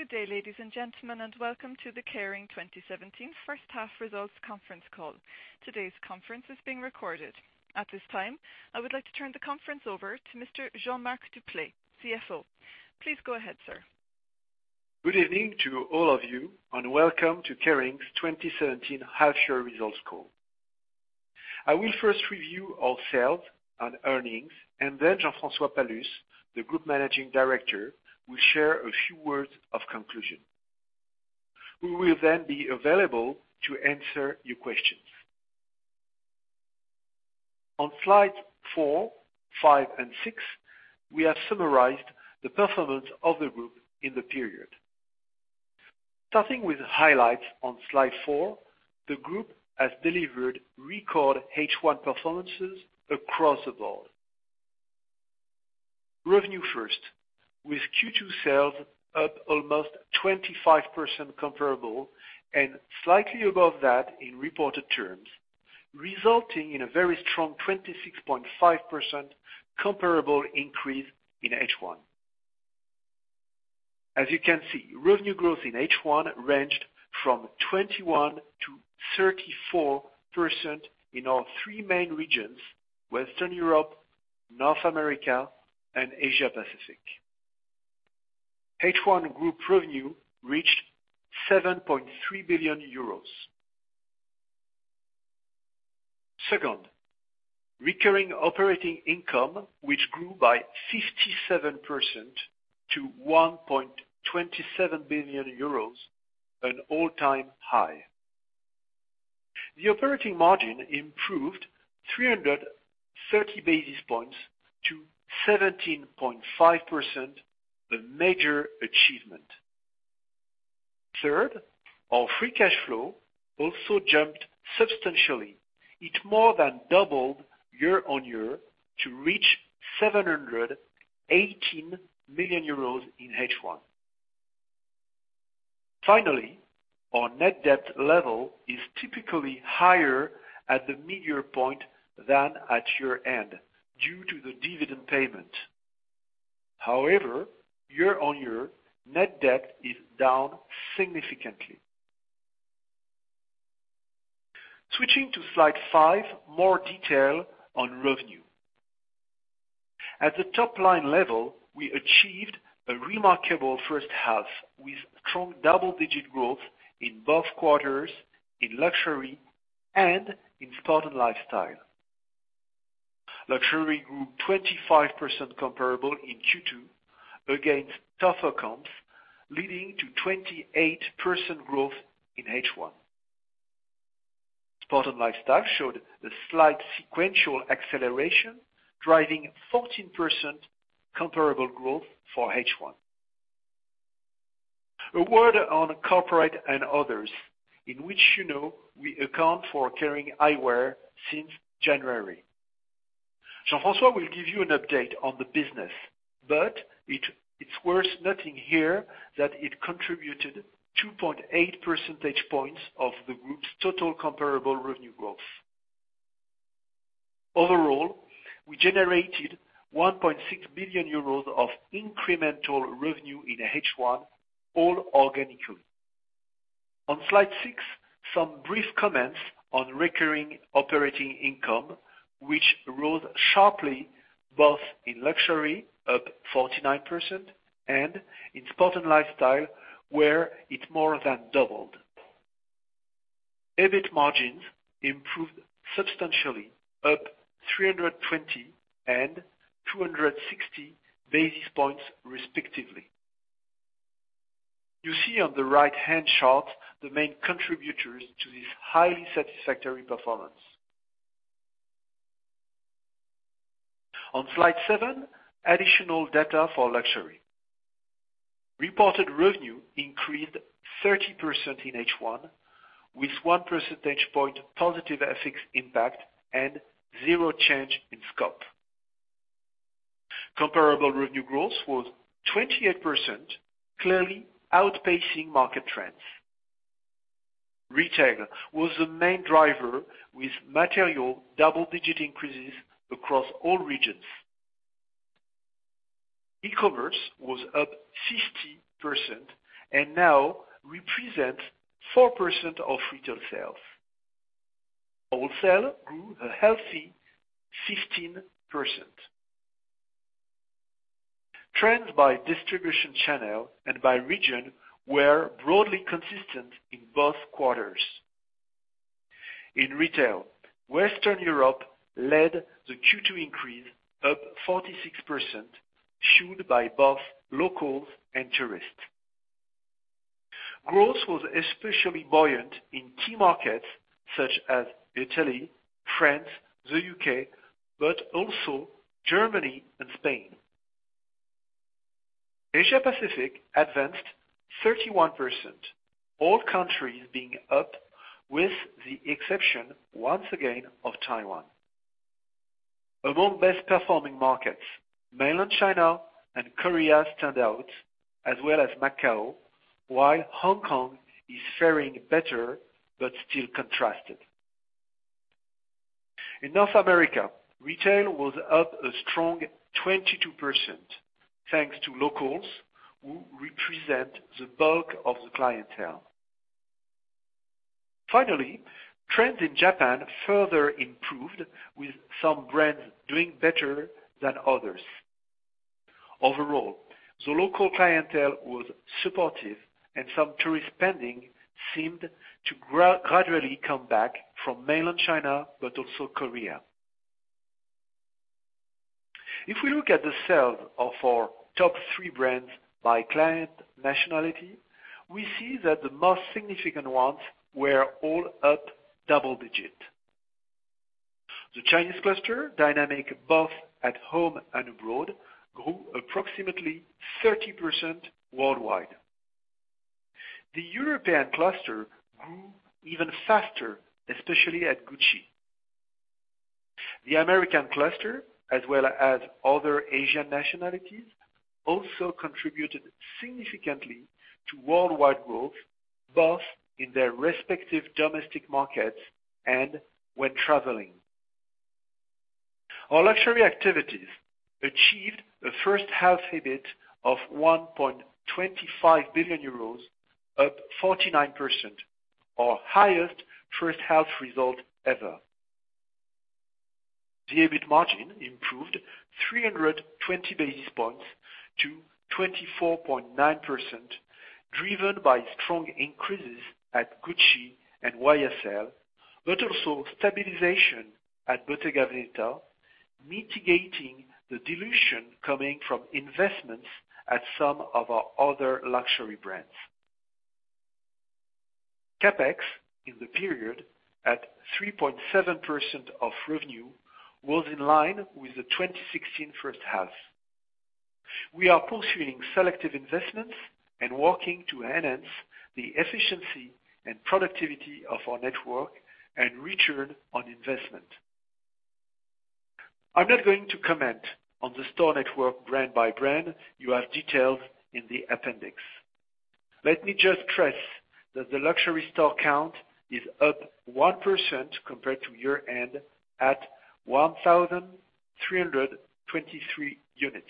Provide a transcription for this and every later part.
Good day, ladies and gentlemen, and welcome to the Kering 2017 first half results conference call. Today's conference is being recorded. At this time, I would like to turn the conference over to Mr. Jean-Marc Duplaix, CFO. Please go ahead, sir. Good evening to all of you, and welcome to Kering's 2017 half year results call. I will first review our sales and earnings, and then Jean-François Palus, the Group Managing Director, will share a few words of conclusion. We will then be available to answer your questions. On slides four, five, and six, we have summarized the performance of the group in the period. Starting with highlights on slide four, the group has delivered record H1 performances across the board. Revenue first, with Q2 sales up almost 25% comparable and slightly above that in reported terms, resulting in a very strong 26.5% comparable increase in H1. As you can see, revenue growth in H1 ranged from 21%-34% in our three main regions, Western Europe, North America, and Asia Pacific. H1 group revenue reached EUR 7.3 billion. Second, recurring operating income, which grew by 57% to 1.27 billion euros, an all-time high. The operating margin improved 330 basis points to 17.5%, a major achievement. Third, our free cash flow also jumped substantially. It more than doubled year-on-year to reach 718 million euros in H1. Finally, our net debt level is typically higher at the midyear point than at year end due to the dividend payment. However, year-on-year, net debt is down significantly. Switching to slide five, more detail on revenue. At the top-line level, we achieved a remarkable first half with strong double-digit growth in both quarters in luxury and in sport and lifestyle. Luxury grew 25% comparable in Q2 against tougher comps, leading to 28% growth in H1. Sport and lifestyle showed a slight sequential acceleration, driving 14% comparable growth for H1. A word on corporate and others, in which you know we account for Kering Eyewear since January. Jean-François will give you an update on the business, but it's worth noting here that it contributed 2.8 percentage points of the group's total comparable revenue growth. Overall, we generated 1.6 billion euros of incremental revenue in H1, all organically. On slide six, some brief comments on recurring operating income, which rose sharply both in luxury, up 49%, and in sport and lifestyle, where it more than doubled. EBIT margins improved substantially, up 320 and 260 basis points respectively. You see on the right-hand chart the main contributors to this highly satisfactory performance. On slide seven, additional data for luxury. Reported revenue increased 30% in H1, with one percentage point positive FX impact and zero change in scope. Comparable revenue growth was 28%, clearly outpacing market trends. Retail was the main driver, with material double-digit increases across all regions. E-commerce was up 60% and now represents 4% of retail sales. Wholesale grew a healthy 15%. Trends by distribution channel and by region were broadly consistent in both quarters. In retail, Western Europe led the Q2 increase up 46%, fueled by both locals and tourists. Growth was especially buoyant in key markets such as Italy, France, the U.K., but also Germany and Spain. Asia Pacific advanced 31%, all countries being up with the exception, once again, of Taiwan. Among best performing markets, Mainland China and Korea stand out, as well as Macau, while Hong Kong is faring better but still contrasted. In North America, retail was up a strong 22%, thanks to locals who represent the bulk of the clientele. Finally, trends in Japan further improved with some brands doing better than others. Overall, the local clientele was supportive and some tourist spending seemed to gradually come back from Mainland China but also Korea. If we look at the sales of our top three brands by client nationality, we see that the most significant ones were all up double-digit. The Chinese cluster dynamic both at home and abroad, grew approximately 30% worldwide. The European cluster grew even faster, especially at Gucci. The American cluster, as well as other Asian nationalities, also contributed significantly to worldwide growth, both in their respective domestic markets and when traveling. Our luxury activities achieved a first half EBIT of 1.25 billion euros, up 49%, our highest first half result ever. The EBIT margin improved 320 basis points to 24.9%, driven by strong increases at Gucci and YSL, but also stabilization at Bottega Veneta, mitigating the dilution coming from investments at some of our other luxury brands. CapEx in the period at 3.7% of revenue was in line with the 2016 first half. We are pursuing selective investments and working to enhance the efficiency and productivity of our network and return on investment. I'm not going to comment on the store network brand by brand. You have details in the appendix. Let me just stress that the luxury store count is up 1% compared to year-end at 1,323 units.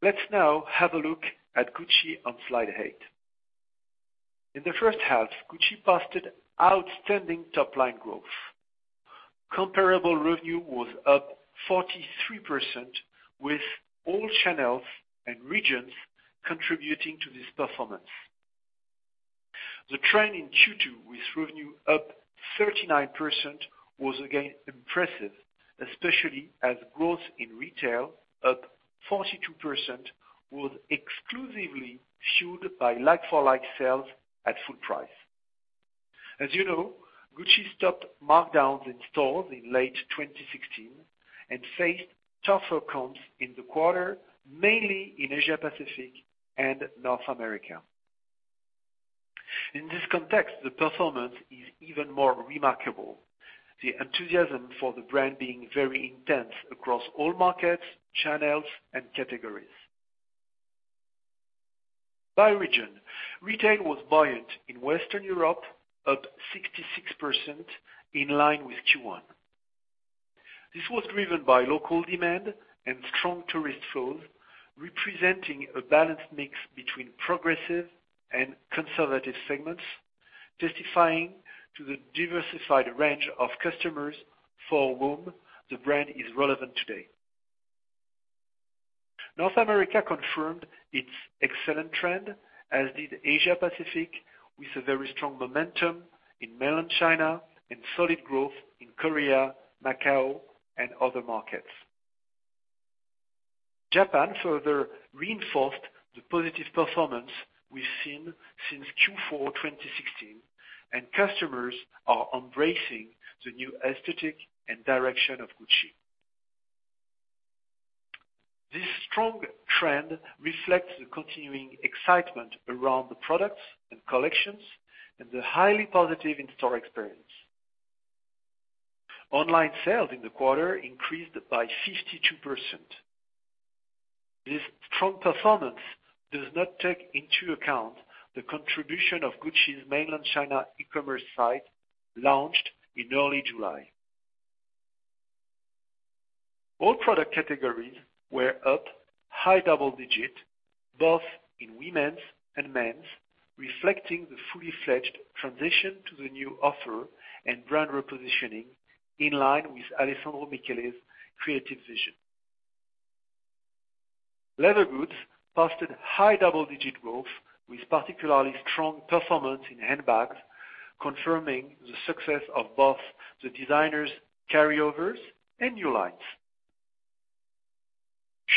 Let's now have a look at Gucci on slide eight. In the first half, Gucci posted outstanding top-line growth. Comparable revenue was up 43% with all channels and regions contributing to this performance. The trend in Q2 with revenue up 39% was again impressive, especially as growth in retail up 42% was exclusively fueled by like-for-like sales at full price. As you know, Gucci stopped markdowns in stores in late 2016 and faced tougher comps in the quarter, mainly in Asia Pacific and North America. In this context, the performance is even more remarkable, the enthusiasm for the brand being very intense across all markets, channels, and categories. By region, retail was buoyant in Western Europe, up 66%, in line with Q1. This was driven by local demand and strong tourist flows, representing a balanced mix between progressive and conservative segments, testifying to the diversified range of customers for whom the brand is relevant today. North America confirmed its excellent trend, as did Asia Pacific, with a very strong momentum in Mainland China and solid growth in Korea, Macau, and other markets. Japan further reinforced the positive performance we've seen since Q4 2016, and customers are embracing the new aesthetic and direction of Gucci. This strong trend reflects the continuing excitement around the products and collections and the highly positive in-store experience. Online sales in the quarter increased by 52%. This strong performance does not take into account the contribution of Gucci's mainland China e-commerce site, launched in early July. All product categories were up high double-digit, both in women's and men's, reflecting the fully-fledged transition to the new offer and brand repositioning in line with Alessandro Michele's creative vision. Leather goods posted high double-digit growth with particularly strong performance in handbags, confirming the success of both the designer's carryovers and new lines.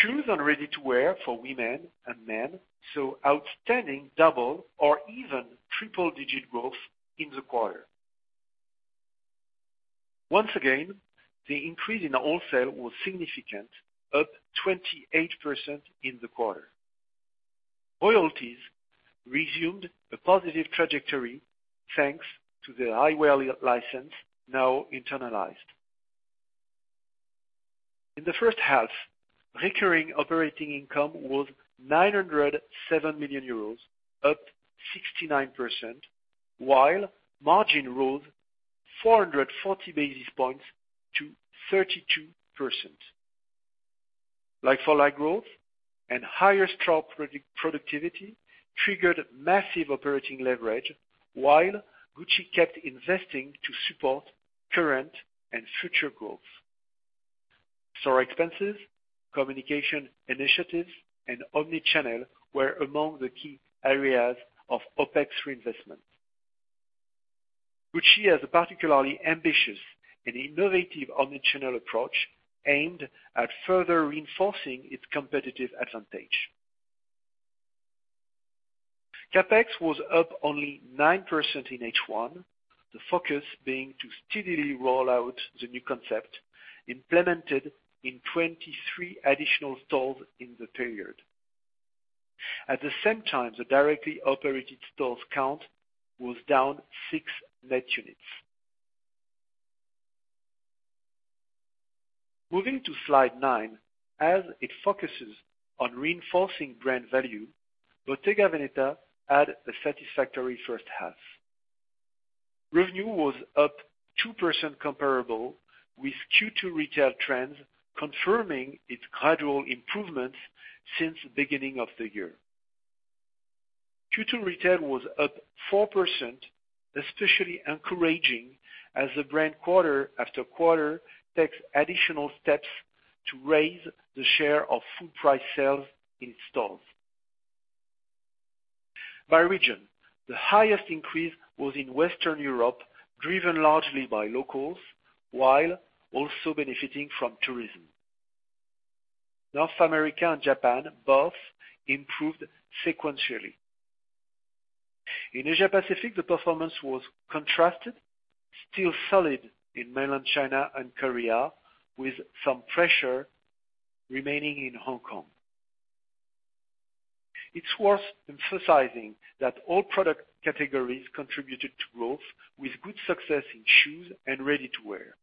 Shoes and ready-to-wear for women and men saw outstanding double or even triple-digit growth in the quarter. Once again, the increase in wholesale was significant, up 28% in the quarter. Royalties resumed a positive trajectory thanks to the eyewear license now internalized. In the first half, recurring operating income was 907 million euros, up 69%, while margin rose 440 basis points to 32%. Like-for-like growth and higher store productivity triggered massive operating leverage, while Gucci kept investing to support current and future growth. Store expenses, communication initiatives, and omni-channel were among the key areas of OpEx reinvestment. Gucci has a particularly ambitious and innovative omni-channel approach aimed at further reinforcing its competitive advantage. CapEx was up only 9% in H1, the focus being to steadily roll out the new concept implemented in 23 additional stores in the period. At the same time, the directly operated stores count was down six net units. Moving to Slide nine, as it focuses on reinforcing brand value, Bottega Veneta had a satisfactory first half. Revenue was up 2% comparable, with Q2 retail trends confirming its gradual improvements since the beginning of the year. Q2 retail was up 4%, especially encouraging as the brand, quarter after quarter, takes additional steps to raise the share of full price sales in stores. By region, the highest increase was in Western Europe, driven largely by locals, while also benefiting from tourism. North America and Japan both improved sequentially. In Asia Pacific, the performance was contrasted, still solid in mainland China and Korea, with some pressure remaining in Hong Kong. It's worth emphasizing that all product categories contributed to growth, with good success in shoes and ready-to-wear.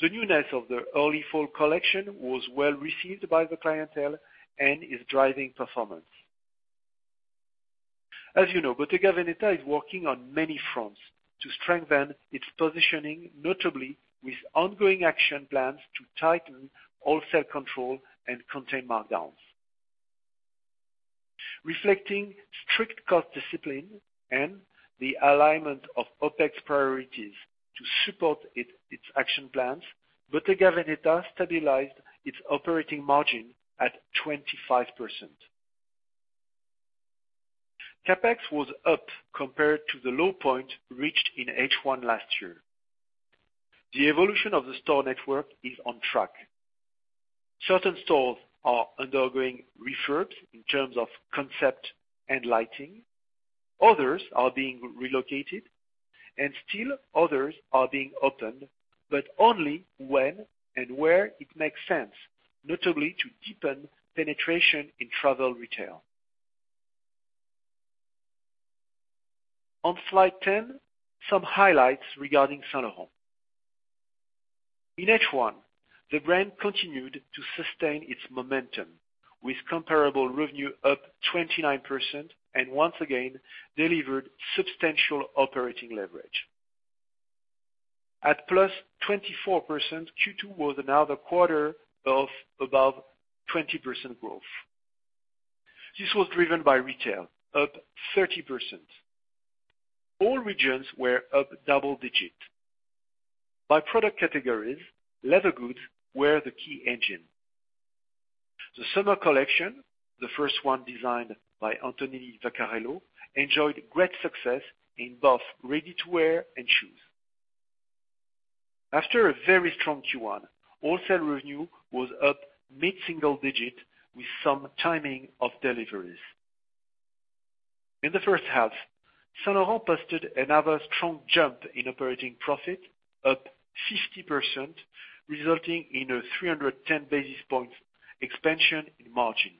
The newness of the early fall collection was well-received by the clientele and is driving performance. As you know, Bottega Veneta is working on many fronts to strengthen its positioning, notably with ongoing action plans to tighten wholesale control and contain markdowns. Reflecting strict cost discipline and the alignment of OpEx priorities to support its action plans, Bottega Veneta stabilized its operating margin at 25%. CapEx was up compared to the low point reached in H1 last year. The evolution of the store network is on track. Certain stores are undergoing refurbs in terms of concept and lighting, others are being relocated, and still, others are being opened, but only when and where it makes sense, notably to deepen penetration in travel retail. On Slide 10, some highlights regarding Saint Laurent. In H1, the brand continued to sustain its momentum, with comparable revenue up 29%, and once again, delivered substantial operating leverage. At plus 24%, Q2 was now the quarter of above 20% growth. This was driven by retail up 30%. All regions were up double-digit. By product categories, leather goods were the key engine. The summer collection, the first one designed by Anthony Vaccarello, enjoyed great success in both ready-to-wear and shoes. After a very strong Q1, wholesale revenue was up mid-single digit with some timing of deliveries. In the first half, Saint Laurent posted another strong jump in operating profit up 50%, resulting in a 310 basis points expansion in margin.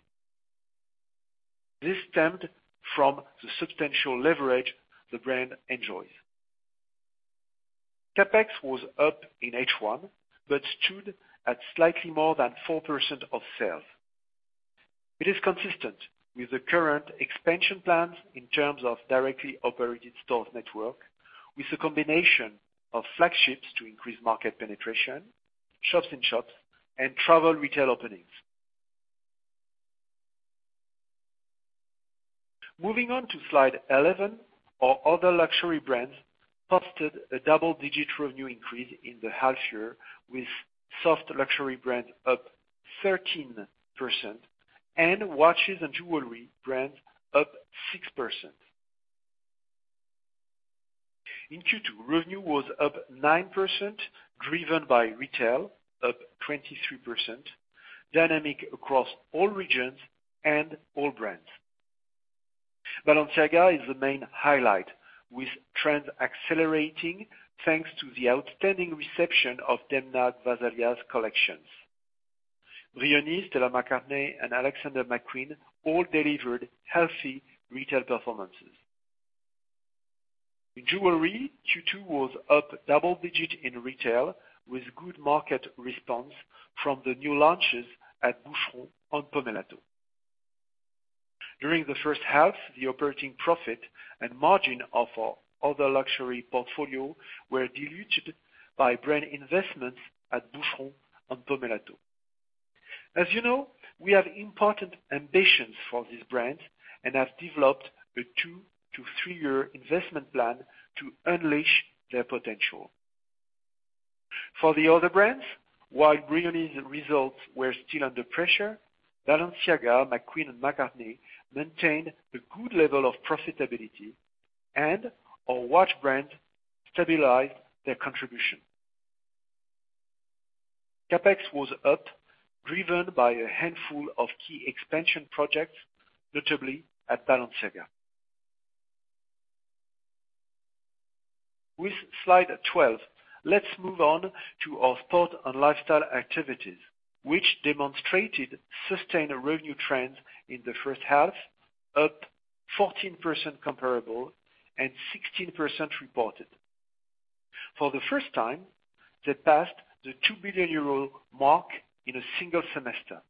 This stemmed from the substantial leverage the brand enjoys. CapEx was up in H1, but stood at slightly more than 4% of sales. It is consistent with the current expansion plans in terms of directly operated stores network with a combination of flagships to increase market penetration, shops in shops, and travel retail openings. Moving on to Slide 11. Our other luxury brands posted a double-digit revenue increase in the half year, with soft luxury brands up 13% and watches and jewelry brands up 6%. In Q2, revenue was up 9%, driven by retail up 23%, dynamic across all regions and all brands. Balenciaga is the main highlight, with trends accelerating, thanks to the outstanding reception of Demna Gvasalia's collections. Brioni, Stella McCartney, and Alexander McQueen all delivered healthy retail performances. In jewelry, Q2 was up double digits in retail with good market response from the new launches at Boucheron and Pomellato. During the first half, the operating profit and margin of our other luxury portfolio were diluted by brand investments at Boucheron and Pomellato. As you know, we have important ambitions for these brands and have developed a two to three-year investment plan to unleash their potential. For the other brands, while Brioni's results were still under pressure, Balenciaga, McQueen, and McCartney maintained a good level of profitability, and our watch brand stabilized their contribution. CapEx was up, driven by a handful of key expansion projects, notably at Balenciaga. With Slide 12, let's move on to our sport and lifestyle activities, which demonstrated sustained revenue trends in the first half, up 14% comparable and 16% reported. For the first time, they passed the 2 billion euro mark in a single semester.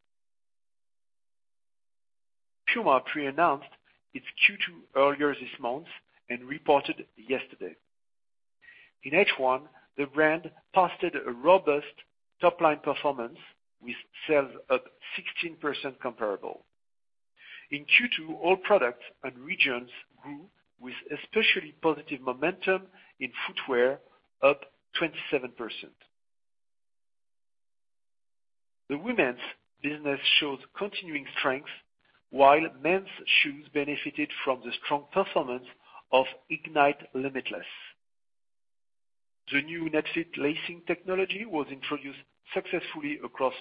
Puma pre-announced its Q2 earlier this month and reported yesterday. In H1, the brand posted a robust top-line performance with sales up 16% comparable. In Q2, all products and regions grew with especially positive momentum in footwear, up 27%. The women's business showed continuing strength, while men's shoes benefited from the strong performance of Ignite Limitless. The new NetFit lacing technology was introduced successfully across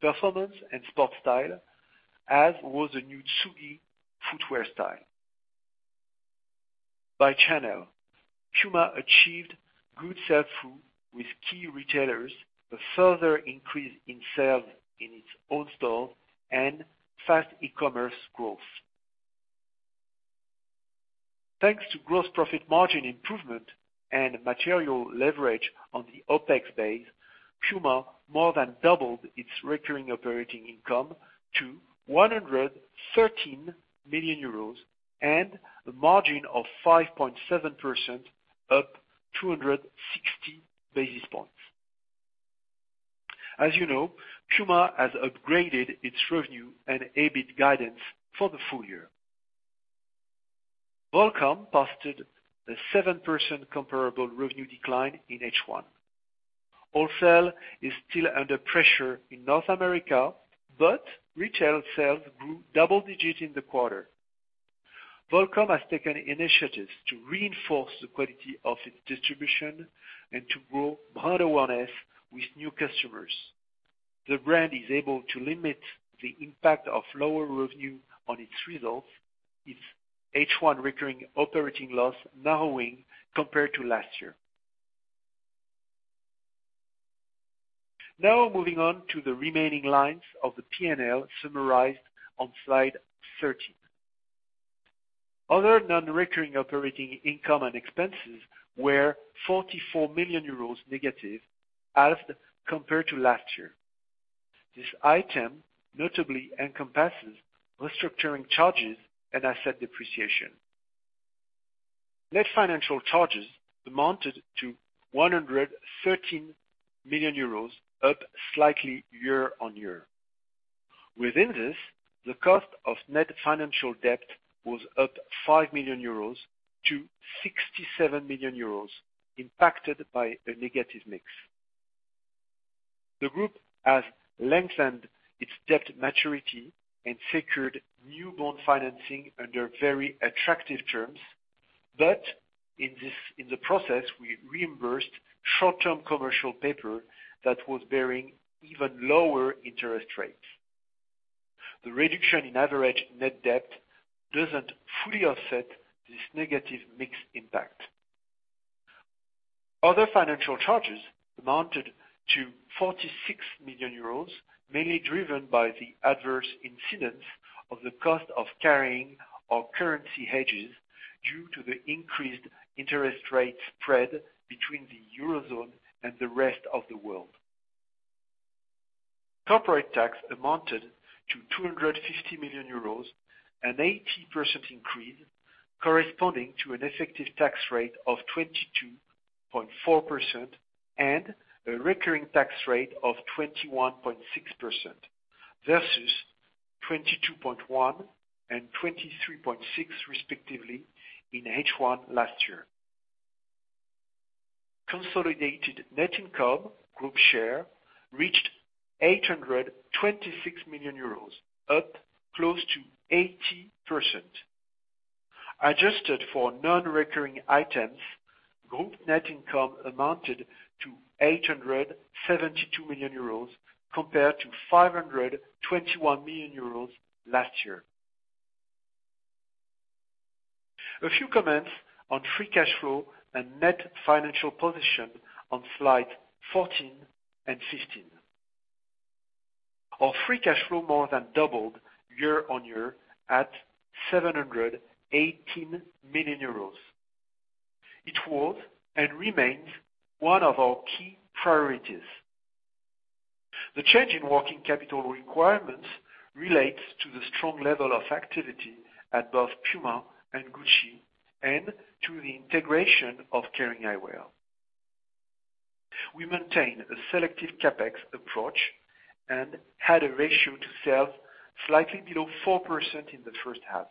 performance and sport style, as was the new Tsugi footwear style. By channel, Puma achieved good sell-through with key retailers, a further increase in sales in its own store, and fast e-commerce growth. Thanks to gross profit margin improvement and material leverage on the OpEx base, Puma more than doubled its recurring operating income to 113 million euros and a margin of 5.7%, up 260 basis points. As you know, Puma has upgraded its revenue and EBIT guidance for the full year. Volcom posted a 7% comparable revenue decline in H1. Wholesale is still under pressure in North America, but retail sales grew double digits in the quarter. Volcom has taken initiatives to reinforce the quality of its distribution and to grow brand awareness with new customers. The brand is able to limit the impact of lower revenue on its results, its H1 recurring operating loss narrowing compared to last year. Now moving on to the remaining lines of the P&L summarized on slide 13. Other non-recurring operating income and expenses were 44 million euros negative as compared to last year. This item notably encompasses restructuring charges and asset depreciation. Net financial charges amounted to 113 million euros, up slightly year-on-year. Within this, the cost of net financial debt was up 5 million euros to 67 million euros impacted by a negative mix. The group has lengthened its debt maturity and secured new bond financing under very attractive terms. In the process, we reimbursed short-term commercial paper that was bearing even lower interest rates. The reduction in average net debt doesn't fully offset this negative mix impact. Other financial charges amounted to 46 million euros, mainly driven by the adverse incidence of the cost of carrying our currency hedges due to the increased interest rate spread between the Eurozone and the rest of the world. Corporate tax amounted to 250 million euros, an 18% increase corresponding to an effective tax rate of 22.4% and a recurring tax rate of 21.6% versus 22.1% and 23.6%, respectively in H1 last year. Consolidated net income group share reached 826 million euros, up close to 80%. Adjusted for non-recurring items, group net income amounted to 872 million euros compared to 521 million euros last year. A few comments on free cash flow and net financial position on slides 14 and 15. Our free cash flow more than doubled year-on-year at 718 million euros. It was, and remains, one of our key priorities. The change in working capital requirements relates to the strong level of activity at both Puma and Gucci, and to the integration of Kering Eyewear. We maintain a selective CapEx approach and had a ratio to sales slightly below 4% in the first half.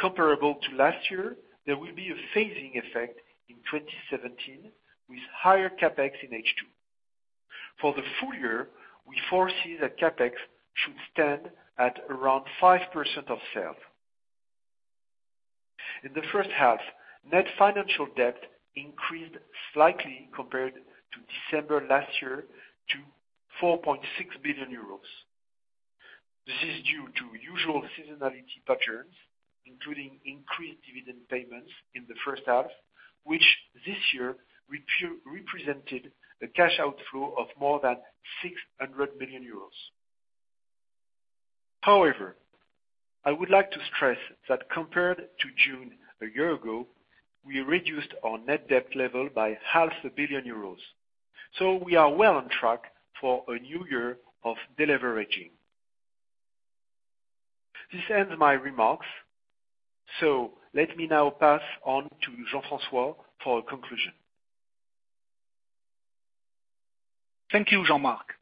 Comparable to last year, there will be a phasing effect in 2017 with higher CapEx in H2. For the full year, we foresee that CapEx should stand at around 5% of sales. In the first half, net financial debt increased slightly compared to December last year to 4.6 billion euros. This is due to usual seasonality patterns, including increased dividend payments in the first half, which this year represented a cash outflow of more than 600 million euros. However, I would like to stress that compared to June a year ago, we reduced our net debt level by half a billion EUR, so we are well on track for a new year of deleveraging. This ends my remarks. Let me now pass on to Jean-François for a conclusion. Thank you, Jean-Marc.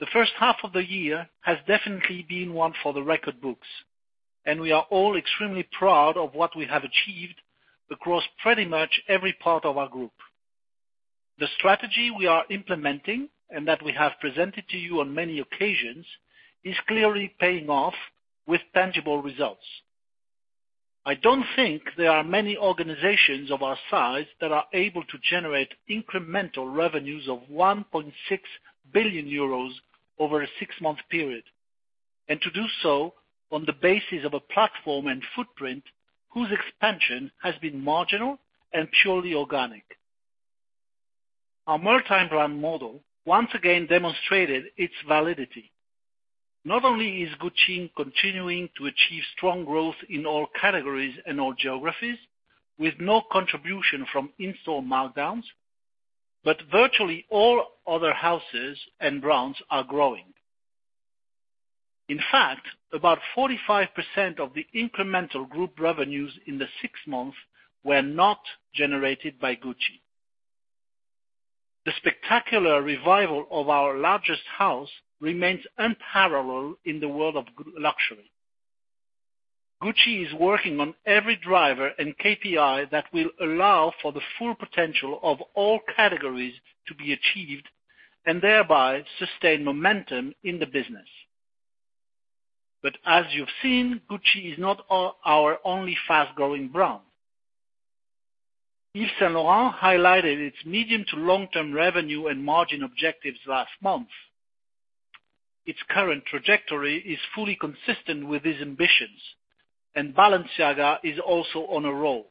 The first half of the year has definitely been one for the record books, and we are all extremely proud of what we have achieved across pretty much every part of our group. The strategy we are implementing and that we have presented to you on many occasions is clearly paying off with tangible results. I don't think there are many organizations of our size that are able to generate incremental revenues of 1.6 billion euros over a six-month period, and to do so on the basis of a platform and footprint whose expansion has been marginal and purely organic. Our multi-brand model once again demonstrated its validity. Not only is Gucci continuing to achieve strong growth in all categories and all geographies, with no contribution from in-store markdowns, but virtually all other houses and brands are growing. In fact, about 45% of the incremental group revenues in the six months were not generated by Gucci. The spectacular revival of our largest house remains unparalleled in the world of luxury. Gucci is working on every driver and KPI that will allow for the full potential of all categories to be achieved, and thereby sustain momentum in the business. As you've seen, Gucci is not our only fast-growing brand. Yves Saint Laurent highlighted its medium to long-term revenue and margin objectives last month. Its current trajectory is fully consistent with these ambitions, Balenciaga is also on a roll.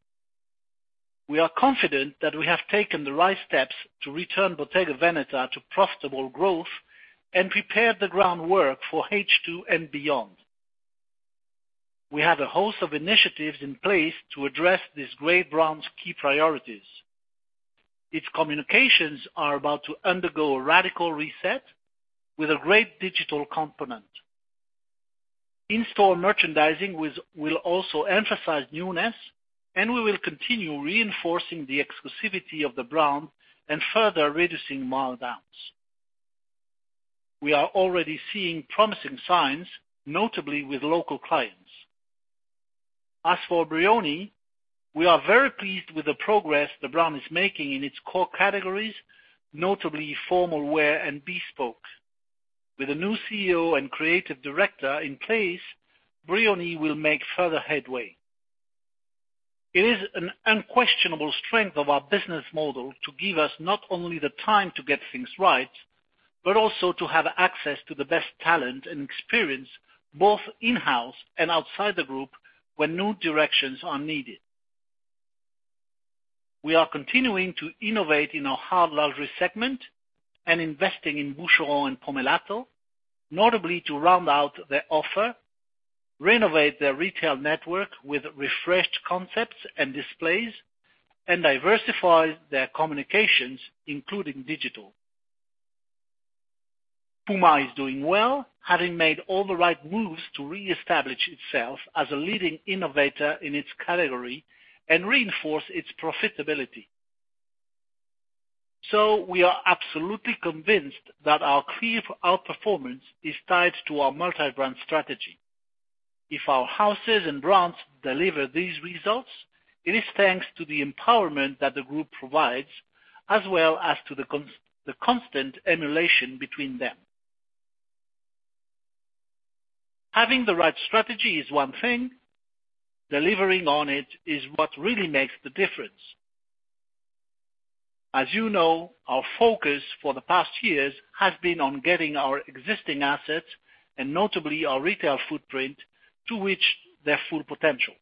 We are confident that we have taken the right steps to return Bottega Veneta to profitable growth and prepared the groundwork for H2 and beyond. We have a host of initiatives in place to address this great brand's key priorities. Its communications are about to undergo a radical reset with a great digital component. In-store merchandising will also emphasize newness, and we will continue reinforcing the exclusivity of the brand and further reducing markdowns. We are already seeing promising signs, notably with local clients. As for Brioni, we are very pleased with the progress the brand is making in its core categories, notably formal wear and bespoke. With a new CEO and creative director in place, Brioni will make further headway. It is an unquestionable strength of our business model to give us not only the time to get things right, but also to have access to the best talent and experience, both in-house and outside the group, when new directions are needed. We are continuing to innovate in our hard luxury segment and investing in Boucheron and Pomellato, notably to round out their offer, renovate their retail network with refreshed concepts and displays, and diversify their communications, including digital. Puma is doing well, having made all the right moves to reestablish itself as a leading innovator in its category and reinforce its profitability. We are absolutely convinced that our clear outperformance is tied to our multi-brand strategy. If our houses and brands deliver these results, it is thanks to the empowerment that the group provides, as well as to the constant emulation between them. Having the right strategy is one thing, delivering on it is what really makes the difference. As you know, our focus for the past years has been on getting our existing assets, and notably our retail footprint, to which their full potential.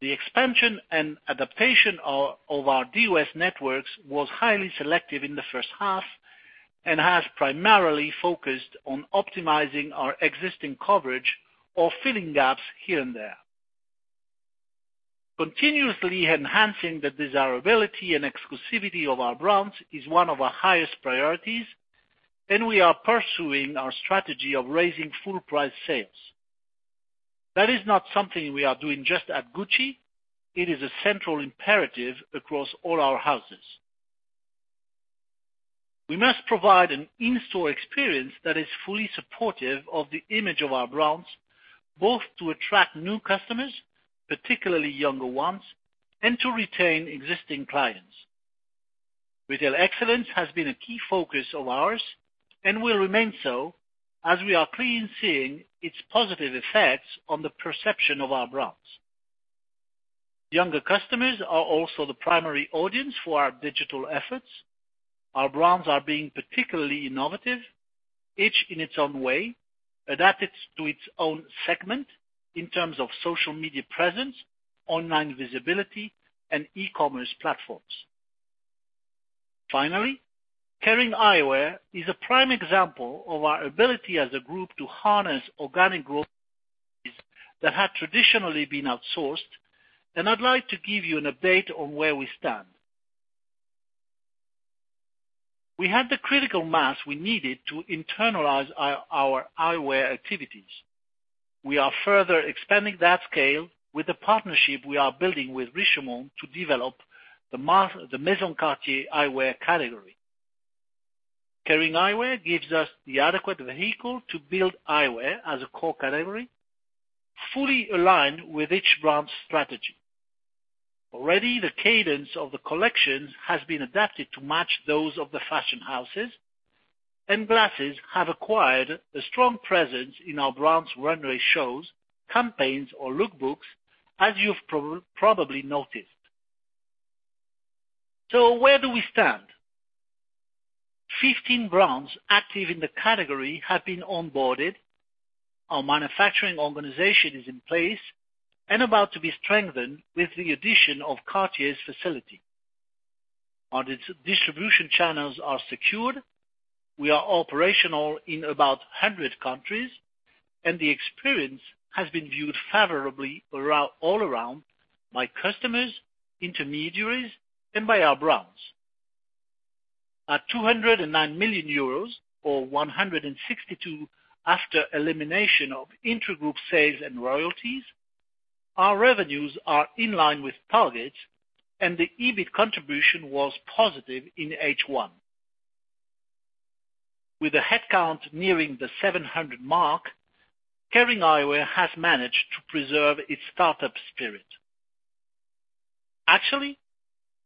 The expansion and adaptation of our DOS networks was highly selective in the first half and has primarily focused on optimizing our existing coverage or filling gaps here and there. Continuously enhancing the desirability and exclusivity of our brands is one of our highest priorities, and we are pursuing our strategy of raising full price sales. That is not something we are doing just at Gucci. It is a central imperative across all our houses. We must provide an in-store experience that is fully supportive of the image of our brands, both to attract new customers, particularly younger ones, and to retain existing clients. Retail excellence has been a key focus of ours and will remain so, as we are pleased seeing its positive effects on the perception of our brands. Younger customers are also the primary audience for our digital efforts. Our brands are being particularly innovative, each in its own way, adapted to its own segment in terms of social media presence, online visibility, and e-commerce platforms. Finally, Kering Eyewear is a prime example of our ability as a group to harness organic growth that had traditionally been outsourced. I'd like to give you an update on where we stand. We had the critical mass we needed to internalize our eyewear activities. We are further expanding that scale with the partnership we are building with Richemont to develop the Maison Cartier eyewear category. Kering Eyewear gives us the adequate vehicle to build eyewear as a core category, fully aligned with each brand's strategy. Already the cadence of the collections has been adapted to match those of the fashion houses, and glasses have acquired a strong presence in our brands' runway shows, campaigns or look books, as you've probably noticed. Where do we stand? 15 brands active in the category have been onboarded. Our manufacturing organization is in place and about to be strengthened with the addition of Cartier's facility. Our distribution channels are secured. We are operational in about 100 countries, and the experience has been viewed favorably all around by customers, intermediaries and by our brands. At 209 million euros, or 162 after elimination of intragroup sales and royalties, our revenues are in line with targets, and the EBIT contribution was positive in H1. With the headcount nearing the 700 mark, Kering Eyewear has managed to preserve its startup spirit. Actually,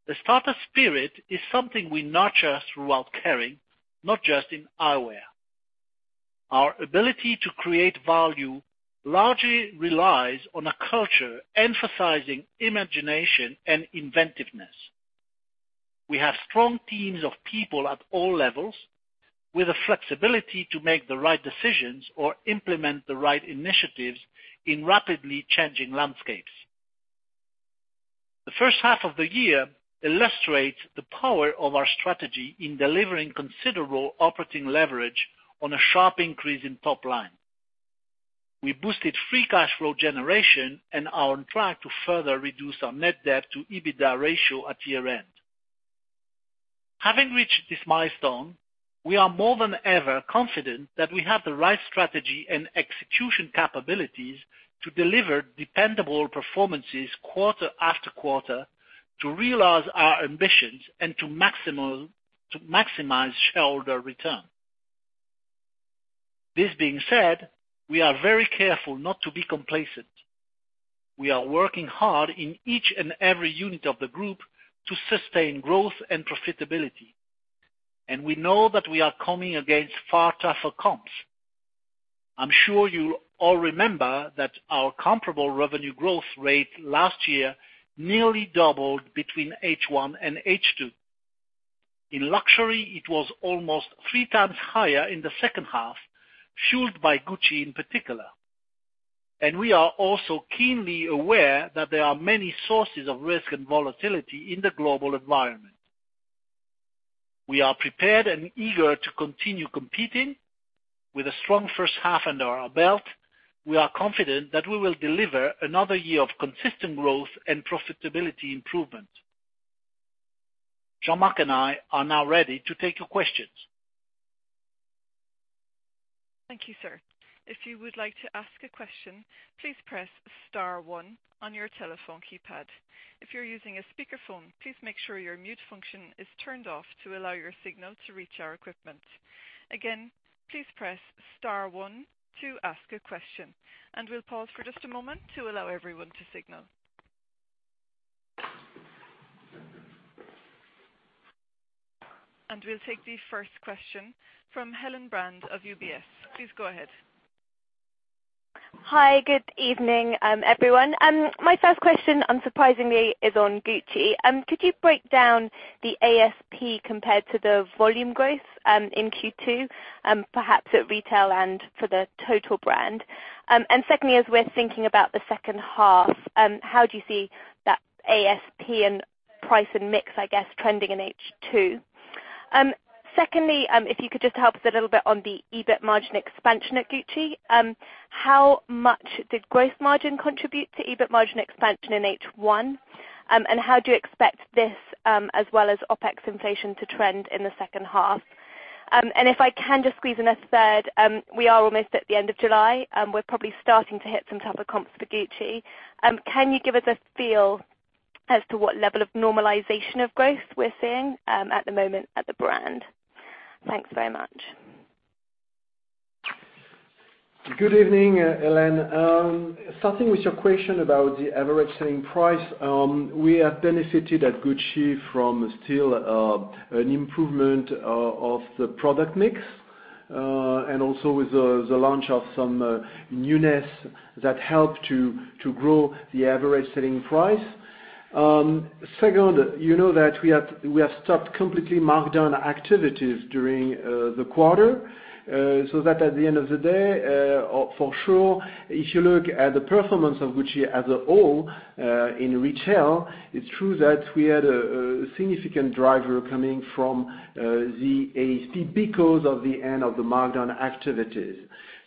the startup spirit is something we nurture throughout Kering, not just in eyewear. Our ability to create value largely relies on a culture emphasizing imagination and inventiveness. We have strong teams of people at all levels with the flexibility to make the right decisions or implement the right initiatives in rapidly changing landscapes. The first half of the year illustrates the power of our strategy in delivering considerable operating leverage on a sharp increase in top line. We boosted free cash flow generation and are on track to further reduce our net debt to EBITDA ratio at year-end. Having reached this milestone, we are more than ever confident that we have the right strategy and execution capabilities to deliver dependable performances quarter after quarter, to realize our ambitions and to maximize shareholder return. This being said, we are very careful not to be complacent. We are working hard in each and every unit of the group to sustain growth and profitability. We know that we are coming against far tougher comps. I'm sure you all remember that our comparable revenue growth rate last year nearly doubled between H1 and H2. In luxury, it was almost three times higher in the second half, fueled by Gucci in particular. We are also keenly aware that there are many sources of risk and volatility in the global environment. We are prepared and eager to continue competing. With a strong first half under our belt, we are confident that we will deliver another year of consistent growth and profitability improvement. Jean-Marc and I are now ready to take your questions. Thank you, sir. If you would like to ask a question, please press star one on your telephone keypad. If you're using a speakerphone, please make sure your mute function is turned off to allow your signal to reach our equipment. Again, please press star one to ask a question. We'll pause for just a moment to allow everyone to signal. We'll take the first question from Helen Brand of UBS. Please go ahead. Hi, good evening everyone. My first question, unsurprisingly, is on Gucci. Could you break down the ASP compared to the volume growth, in Q2, perhaps at retail and for the total brand? Secondly, as we're thinking about the second half, how do you see that ASP and price and mix, I guess, trending in H2? Secondly, if you could just help us a little bit on the EBIT margin expansion at Gucci. How much did gross margin contribute to EBIT margin expansion in H1? How do you expect this, as well as OpEx inflation to trend in the second half? If I can just squeeze in a third, we are almost at the end of July. We're probably starting to hit some tougher comps for Gucci. Can you give us a feel as to what level of normalization of growth we're seeing at the moment at the brand? Thanks very much. Good evening, Helen. Starting with your question about the average selling price. We have benefited at Gucci from still an improvement of the product mix, and also with the launch of some newness that helped to grow the average selling price. Second, you know that we have stopped completely markdown activities during the quarter, so that at the end of the day, for sure, if you look at the performance of Gucci as a whole, in retail, it's true that we had a significant driver coming from the ASP because of the end of the markdown activities.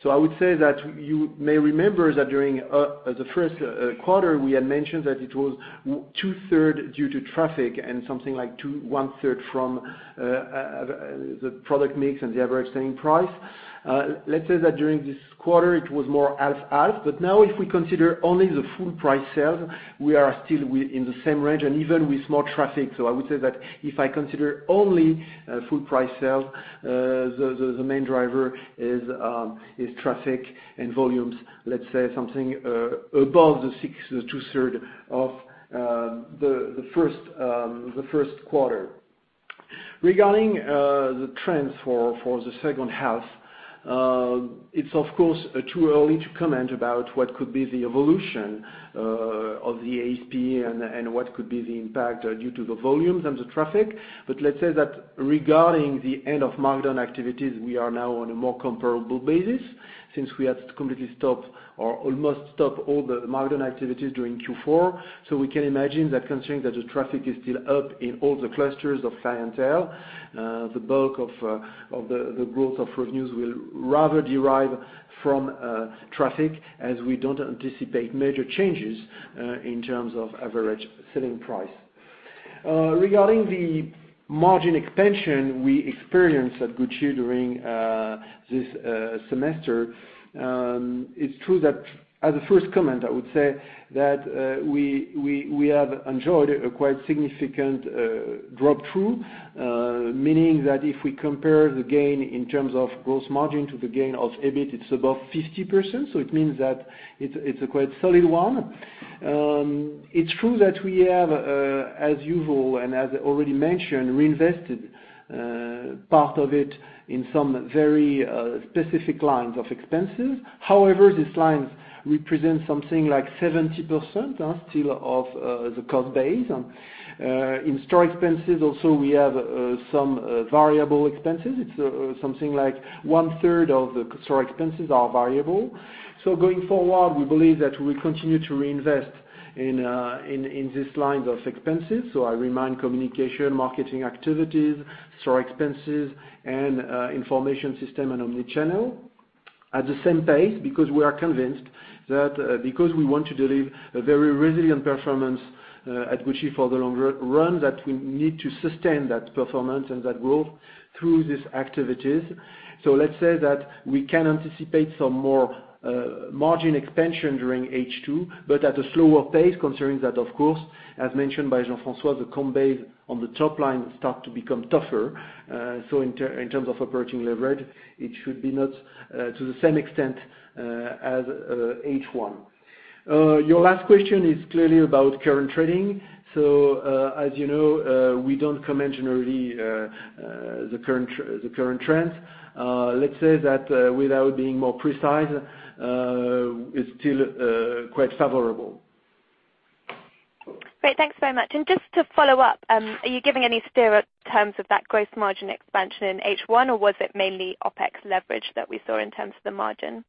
I would say that you may remember that during the first quarter, we had mentioned that it was two-thirds due to traffic and something like one-third from the product mix and the average selling price. Let's say that during this quarter it was more half/half, but now if we consider only the full price sales, we are still in the same range and even with more traffic. I would say that if I consider only full price sales, the main driver is traffic and volumes, let's say something above the two-thirds of the first quarter. Regarding the trends for the second half, it's of course too early to comment about what could be the evolution of the ASP and what could be the impact due to the volumes and the traffic. Let's say that regarding the end of markdown activities, we are now on a more comparable basis since we had to completely stop or almost stop all the markdown activities during Q4. We can imagine that considering that the traffic is still up in all the clusters of fashion and apparel, the bulk of the growth of revenues will rather derive from traffic as we don't anticipate major changes in terms of average selling price. Regarding the margin expansion we experienced at Gucci during this semester, it's true that as a first comment, I would say that we have enjoyed a quite significant drop-through, meaning that if we compare the gain in terms of gross margin to the gain of EBIT, it's above 50%. It means that it's a quite solid one. It's true that we have, as usual, and as already mentioned, reinvested part of it in some very specific lines of expenses. However, these lines represent something like 70%, still of the cost base. In store expenses also we have some variable expenses. It's something like one-third of the store expenses are variable. Going forward, we believe that we continue to reinvest in these lines of expenses. I remind communication, marketing activities, store expenses, and information system and omni-channel at the same pace because we are convinced that because we want to deliver a very resilient performance at Gucci for the long run, that we need to sustain that performance and that growth through these activities. Let's say that we can anticipate some more margin expansion during H2, but at a slower pace considering that of course, as mentioned by Jean-François, the comp base on the top line starts to become tougher. In terms of approaching leverage, it should be not to the same extent as H1. Your last question is clearly about current trading. As you know, we don't comment generally the current trends. Let's say that, without being more precise, it's still quite favorable. Great. Just to follow up, are you giving any steer in terms of that gross margin expansion in H1, or was it mainly OpEx leverage that we saw in terms of the margin?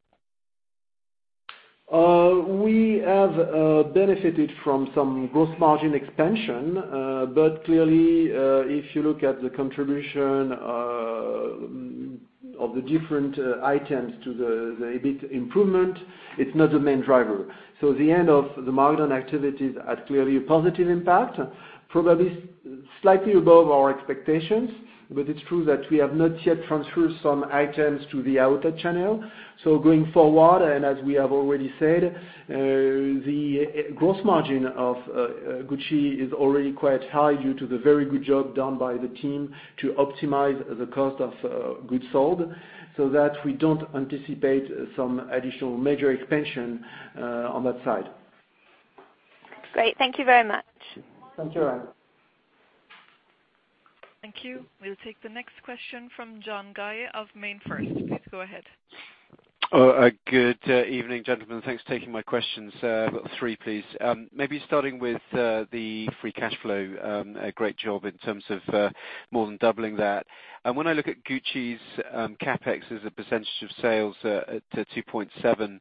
We have benefited from some gross margin expansion. Clearly, if you look at the contribution of the different items to the EBIT improvement, it's not the main driver. The end of the markdown activities had clearly a positive impact, probably slightly above our expectations. It's true that we have not yet transferred some items to the outer channel. Going forward, and as we have already said, the gross margin of Gucci is already quite high due to the very good job done by the team to optimize the cost of goods sold. We don't anticipate some additional major expansion on that side. Great. Thank you very much. Thank you, Elaine. Thank you. We'll take the next question from John Guy of MainFirst. Please go ahead. Good evening, gentlemen. Thanks for taking my questions. I've got three, please. Maybe starting with the free cash flow, great job in terms of more than doubling that. When I look at Gucci's CapEx as a percentage of sales to 2.7%,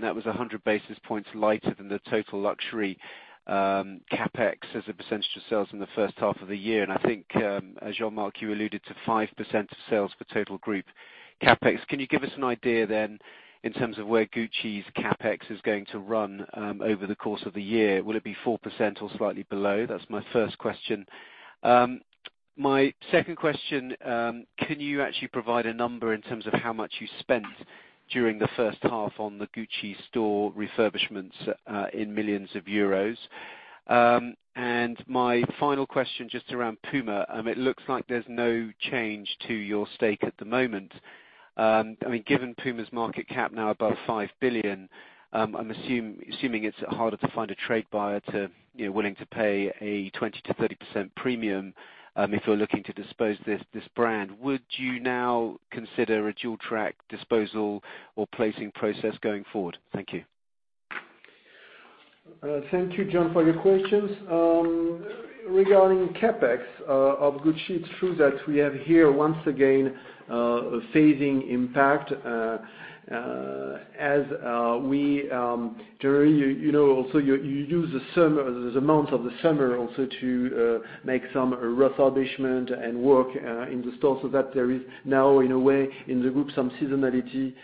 that was 100 basis points lighter than the total luxury CapEx as a percentage of sales in the first half of the year. I think, as Jean-Marc, you alluded to 5% of sales for total group CapEx. Can you give us an idea then, in terms of where Gucci's CapEx is going to run over the course of the year? Will it be 4% or slightly below? That's my first question. My second question, can you actually provide a number in terms of how much you spent during the first half on the Gucci store refurbishments, in millions of euros? My final question, just around Puma. It looks like there's no change to your stake at the moment. Given Puma's market cap now above 5 billion, I'm assuming it's harder to find a trade buyer willing to pay a 20%-30% premium if you're looking to dispose this brand. Would you now consider a dual track disposal or placing process going forward? Thank you. Thank you, John, for your questions. Regarding CapEx of Gucci, it is true that we have here once again, a phasing impact. You use the months of the summer also to make some refurbishment and work in the store, so that there is now, in a way, in the group, some seasonality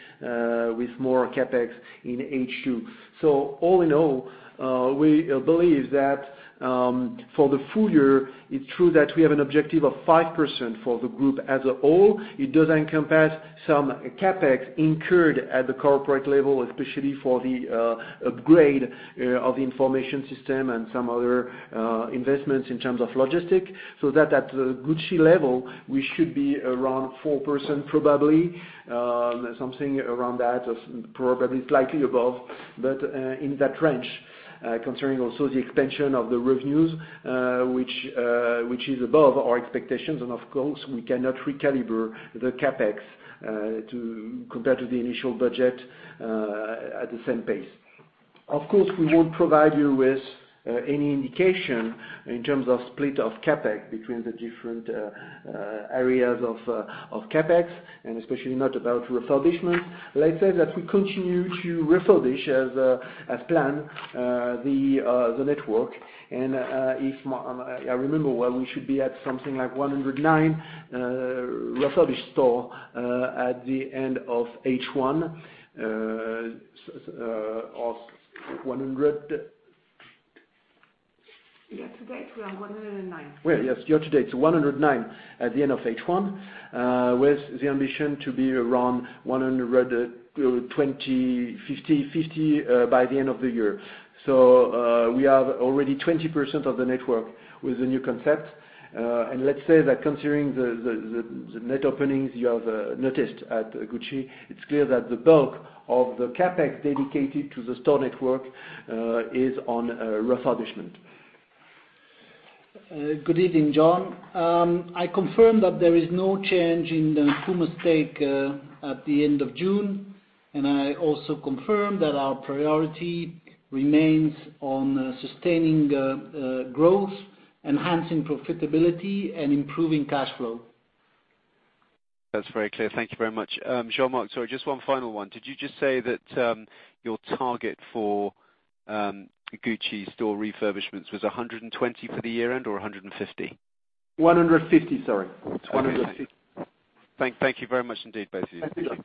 with more CapEx in H2. All in all, we believe that for the full year, it is true that we have an objective of 5% for the group as a whole. It does encompass some CapEx incurred at the corporate level, especially for the upgrade of the information system and some other investments in terms of logistics. At the Gucci level, we should be around 4%, probably, something around that, or probably slightly above. In that range, concerning also the expansion of the revenues, which is above our expectations. Of course, we cannot recalibrate the CapEx compared to the initial budget at the same pace. Of course, we won't provide you with any indication in terms of split of CapEx between the different areas of CapEx, and especially not about refurbishment. Let us say that we continue to refurbish as planned the network. If I remember well, we should be at something like 109 refurbished stores at the end of H1. Year-to-date, we are 109. Well, yes. Year-to-date, 109 at the end of H1 with the ambition to be around 120, 150 by the end of the year. We have already 20% of the network with the new concept. Let us say that considering the net openings you have noticed at Gucci, it is clear that the bulk of the CapEx dedicated to the store network is on refurbishment. Good evening, John. I confirm that there is no change in the Puma stake at the end of June, and I also confirm that our priority remains on sustaining growth, enhancing profitability, and improving cash flow. That's very clear. Thank you very much. Jean-Marc, sorry, just one final one. Did you just say that your target for Gucci store refurbishments was 120 for the year-end or 150? 150, sorry. 150. Thank you very much indeed, both of you. Thank you, John.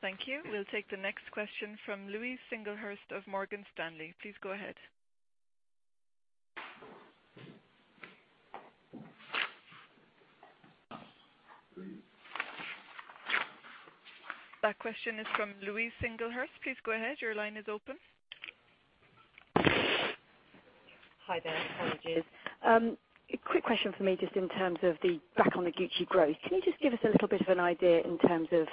Thank you. We'll take the next question from Louise Singlehurst of Morgan Stanley. Please go ahead. That question is from Louise Singlehurst. Please go ahead. Your line is open. Hi there. Apologies. A quick question from me, just in terms of the back on the Gucci growth. Can you just give us a little bit of an idea in terms of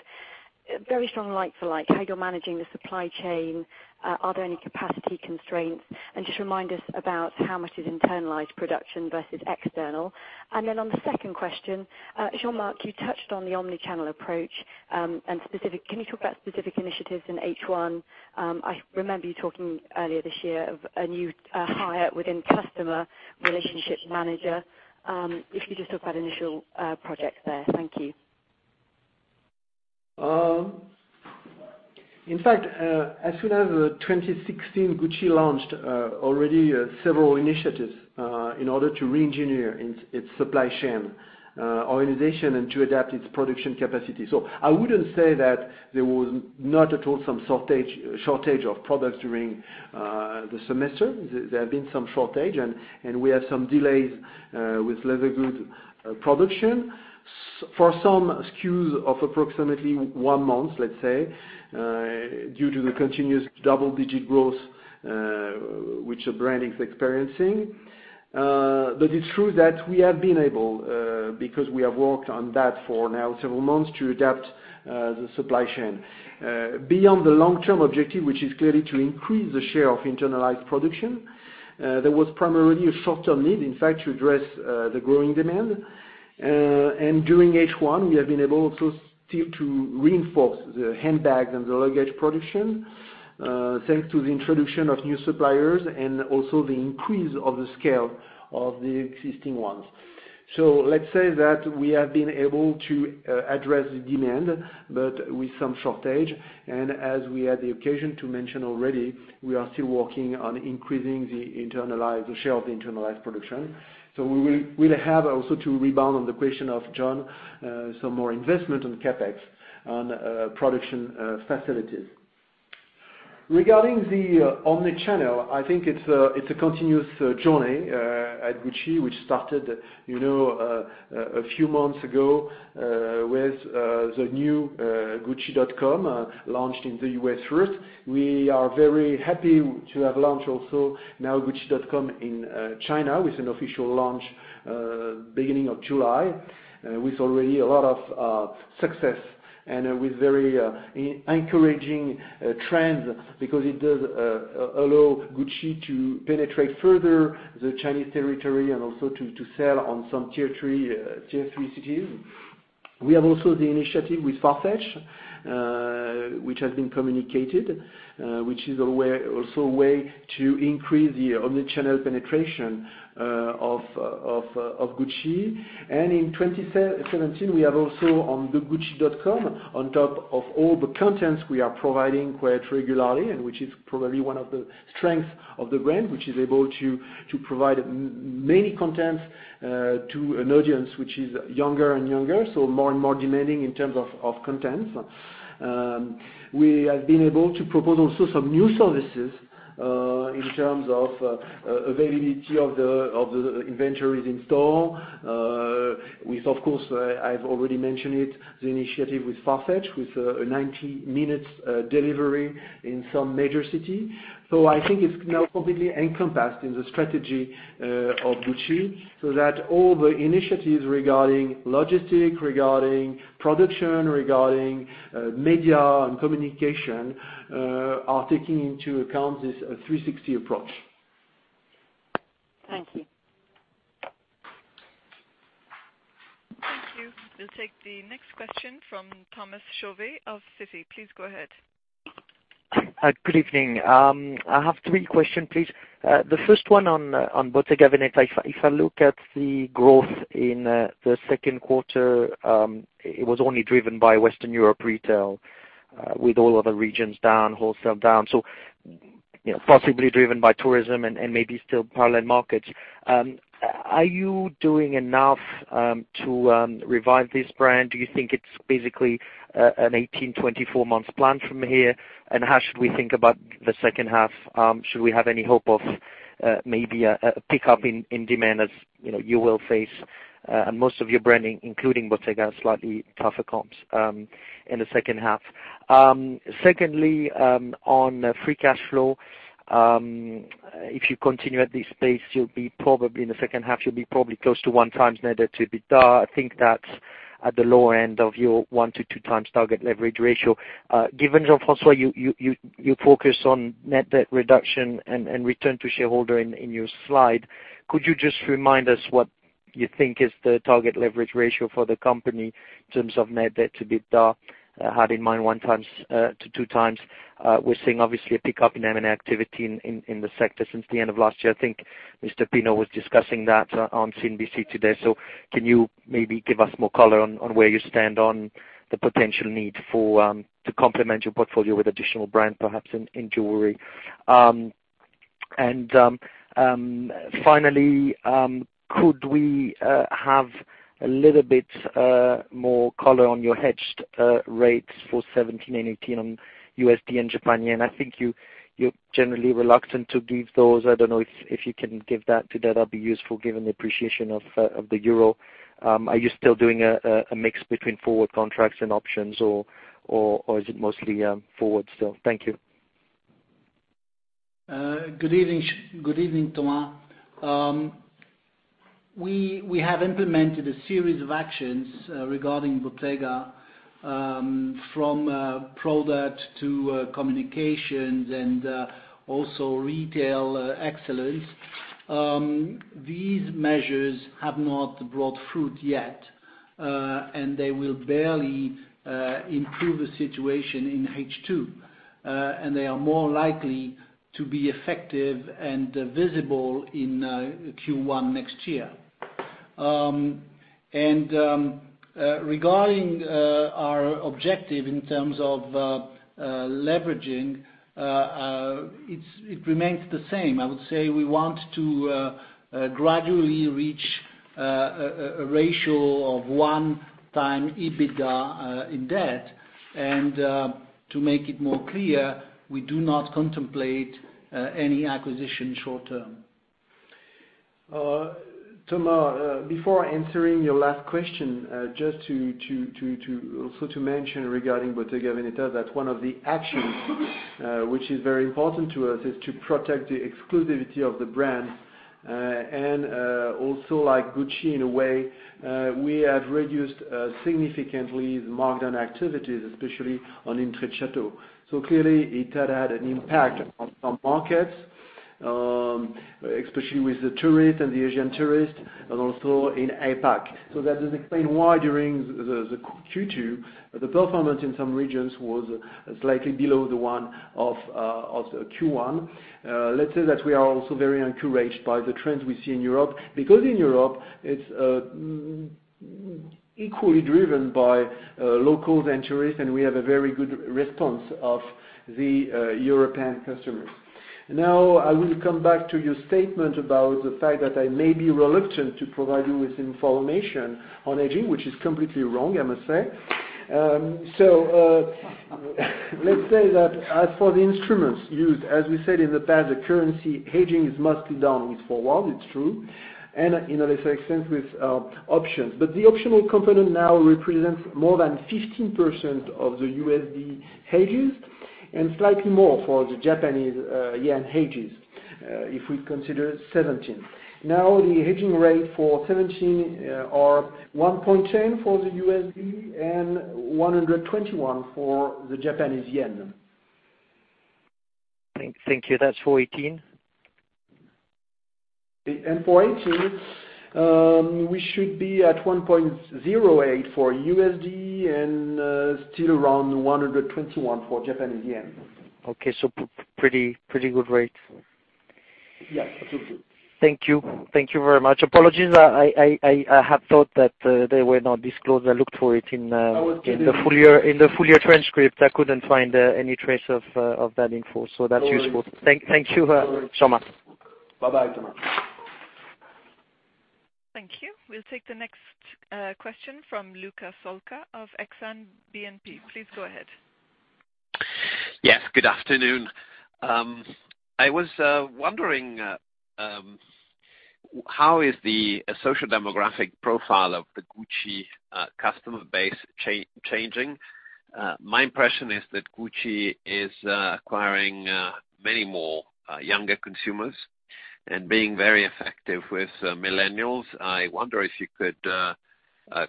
very strong like for like, how you're managing the supply chain? Are there any capacity constraints? Just remind us about how much is internalized production versus external. On the second question, Jean-Marc, you touched on the omni-channel approach. Can you talk about specific initiatives in H1? I remember you talking earlier this year of a new hire within customer relationship manager. If you just talk about initial projects there. Thank you. In fact, as soon as 2016, Gucci launched already several initiatives in order to re-engineer its supply chain organization and to adapt its production capacity. I wouldn't say that there was not at all some shortage of product during the semester. There have been some shortage, and we have some delays with leather good production. For some SKUs of approximately one month, let's say, due to the continuous double-digit growth which the brand is experiencing. It's true that we have been able because we have worked on that for now several months to adapt the supply chain. Beyond the long-term objective, which is clearly to increase the share of internalized production, there was primarily a short-term need, in fact, to address the growing demand. During H1, we have been able also still to reinforce the handbags and the luggage production, thanks to the introduction of new suppliers and also the increase of the scale of the existing ones. Let's say that we have been able to address the demand, but with some shortage, and as we had the occasion to mention already, we are still working on increasing the share of internalized production. We will have also to rebound on the question of John, some more investment on CapEx on production facilities. Regarding the omni-channel, I think it's a continuous journey at Gucci, which started a few months ago with the new gucci.com, launched in the U.S. first. We are very happy to have launched also now gucci.com in China, with an official launch beginning of July, with already a lot of success and with very encouraging trends because it does allow Gucci to penetrate further the Chinese territory and also to sell on some tier 3 cities. We have also the initiative with Farfetch, which has been communicated, which is also a way to increase the omni-channel penetration of Gucci. In 2017, we have also on the gucci.com, on top of all the content we are providing quite regularly, and which is probably one of the strengths of the brand, which is able to provide many contents to an audience which is younger and younger, more and more demanding in terms of contents. We have been able to propose also some new services in terms of availability of the inventories in store with, of course, I've already mentioned it, the initiative with Farfetch, with a 90 minutes delivery in some major city. I think it's now completely encompassed in the strategy of Gucci, that all the initiatives regarding logistic, regarding production, regarding media and communication, are taking into account this 360 approach. Thank you. Thank you. We'll take the next question from Thomas Chauvet of Citi. Please go ahead. Good evening. I have three question, please. The first one on Bottega Veneta. If I look at the growth in the second quarter, it was only driven by Western Europe retail, with all other regions down, wholesale down, so possibly driven by tourism and maybe still parallel markets. Are you doing enough to revive this brand? Do you think it's basically an 18, 24 months plan from here? How should we think about the second half? Should we have any hope of maybe a pickup in demand as you will face most of your branding, including Bottega, slightly tougher comps in the second half. Secondly, on free cash flow, if you continue at this pace, you'll be probably close to one times net debt to EBITDA. I think that's at the lower end of your one to two times target leverage ratio. Jean-François, you focus on net debt reduction and return to shareholder in your slide, could you just remind us what you think is the target leverage ratio for the company in terms of net debt to EBITDA? I had in mind one times to two times. We're seeing obviously a pickup in M&A activity in the sector since the end of last year. I think Mr. Pinault was discussing that on CNBC today. Can you maybe give us more color on where you stand on the potential need to complement your portfolio with additional brand, perhaps in jewelry? Finally, could we have a little bit more color on your hedged rates for 2017 and 2018 on USD and Japanese yen? I think you're generally reluctant to give those. I don't know if you can give that today. That'd be useful given the appreciation of the euro. Are you still doing a mix between forward contracts and options or is it mostly forward still? Thank you. Good evening, Thomas. We have implemented a series of actions regarding Bottega, from product to communications and also retail excellence. These measures have not brought fruit yet, and they will barely improve the situation in H2. They are more likely to be effective and visible in Q1 next year. Regarding our objective in terms of leveraging, it remains the same. I would say we want to gradually reach a ratio of one time EBITDA in debt. To make it more clear, we do not contemplate any acquisition short term. Thomas, before answering your last question, just also to mention regarding Bottega Veneta, that one of the actions which is very important to us is to protect the exclusivity of the brand. Also like Gucci in a way, we have reduced significantly the markdown activities, especially on Intrecciato. Clearly it had had an impact on some markets, especially with the tourist and the Asian tourist and also in APAC. That does explain why during the Q2, the performance in some regions was slightly below the one of the Q1. Let's say that we are also very encouraged by the trends we see in Europe, because in Europe it's equally driven by locals and tourists, and we have a very good response of the European customers. I will come back to your statement about the fact that I may be reluctant to provide you with information on hedging, which is completely wrong, I must say. Let's say that as for the instruments used, as we said in the past, the currency hedging is mostly done with forward, it's true, and in a lesser extent with options. The optional component now represents more than 15% of the USD hedges and slightly more for the Japanese yen hedges. If we consider 2017. The hedging rate for 2017 are 1.10 for the USD and 121 for the Japanese yen. Thank you. That's for 2018? For 2018, we should be at 1.08 for USD and still around 121 for Japanese yen. Okay. Pretty good rate. Yes. Thank you. Thank you very much. Apologies. I have thought that they were not disclosed. I looked for it in the- I was- in the full year transcript, I couldn't find any trace of that info. That's useful. Thank you, Jean-Marc. Bye-bye, Thomas. Thank you. We'll take the next question from Luca Solca of Exane BNP. Please go ahead. Yes, good afternoon. I was wondering how is the social demographic profile of the Gucci customer base changing? My impression is that Gucci is acquiring many more younger consumers and being very effective with millennials. I wonder if you could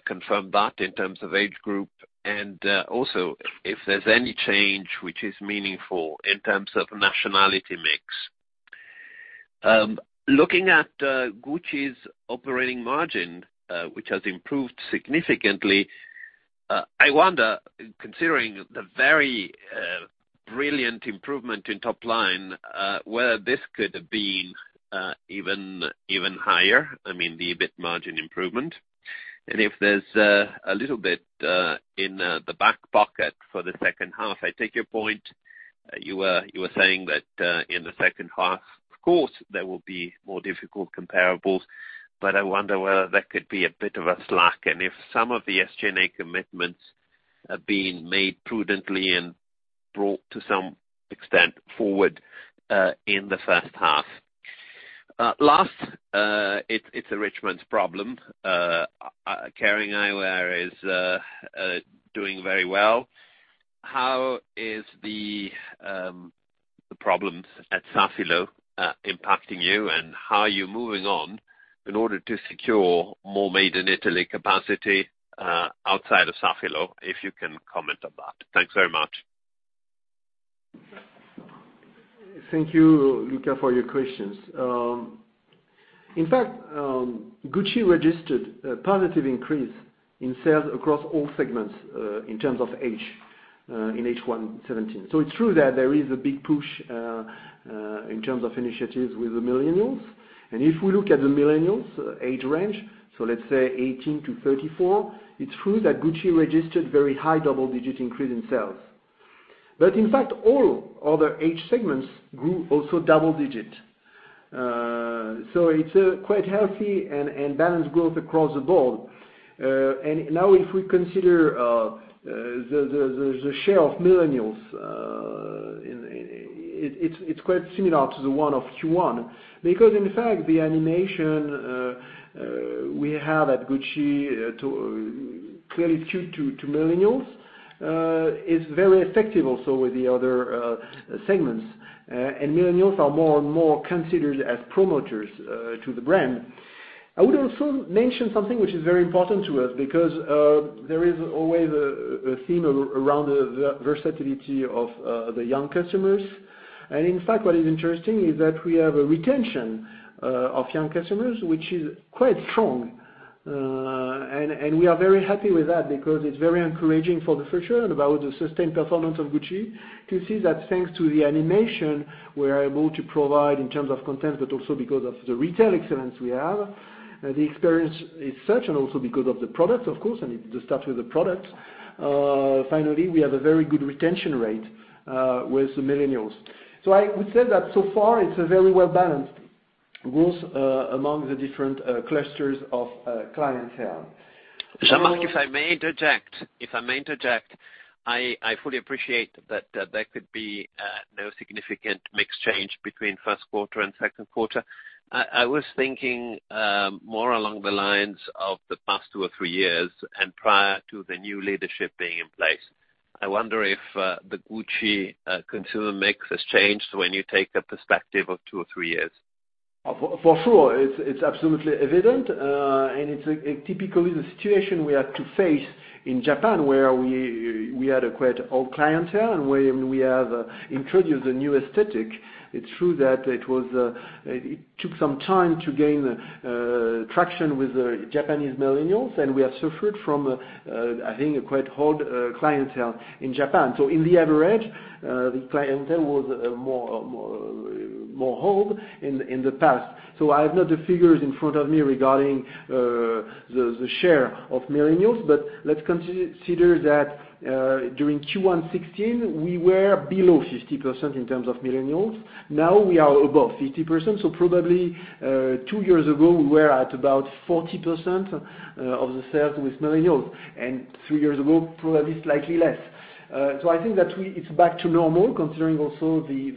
confirm that in terms of age group and also if there's any change which is meaningful in terms of nationality mix. Looking at Gucci's operating margin, which has improved significantly, I wonder, considering the very brilliant improvement in top line, whether this could have been even higher, I mean, the EBIT margin improvement. If there's a little bit in the back pocket for the second half. I take your point. You were saying that in the second half, of course, there will be more difficult comparables, but I wonder whether there could be a bit of a slack and if some of the SG&A commitments are being made prudently and brought to some extent forward in the first half. Last, it's a Richemont problem. Kering Eyewear is doing very well. How is the problems at Safilo impacting you and how are you moving on in order to secure more made-in-Italy capacity outside of Safilo, if you can comment on that? Thanks very much. Thank you, Luca, for your questions. In fact, Gucci registered a positive increase in sales across all segments in terms of age in H1 2017. It's true that there is a big push in terms of initiatives with the millennials. If we look at the millennials age range, let's say 18-34, it's true that Gucci registered very high double-digit increase in sales. In fact, all other age segments grew also double-digit. It's a quite healthy and balanced growth across the board. Now if we consider the share of millennials, it's quite similar to the one of Q1 because in fact, the animation we have at Gucci clearly skewed to millennials, is very effective also with the other segments. Millennials are more and more considered as promoters to the brand. I would also mention something which is very important to us because there is always a theme around the versatility of the young customers. In fact, what is interesting is that we have a retention of young customers, which is quite strong. We are very happy with that because it's very encouraging for the future and about the sustained performance of Gucci to see that thanks to the animation, we are able to provide in terms of content, but also because of the retail excellence we have, the experience is such and also because of the product, of course, and it just starts with the product. Finally, we have a very good retention rate with the millennials. I would say that so far it's a very well-balanced growth among the different clusters of clientele. Jean-Marc, if I may interject. I fully appreciate that there could be no significant mix change between first quarter and second quarter. I was thinking more along the lines of the past two or three years and prior to the new leadership being in place. I wonder if the Gucci consumer mix has changed when you take a perspective of two or three years. For sure. It's absolutely evident, it's typically the situation we had to face in Japan, where we had acquired old clientele, when we have introduced the new aesthetic. It's true that it took some time to gain traction with the Japanese millennials, we have suffered from, I think, a quite old clientele in Japan. In the average, the clientele was more old in the past. I have not the figures in front of me regarding the share of millennials, but let's consider that during Q1 2016, we were below 50% in terms of millennials. Now we are above 50%. Probably, two years ago, we were at about 40% of the sales with millennials. Three years ago, probably slightly less. I think that it's back to normal, considering also the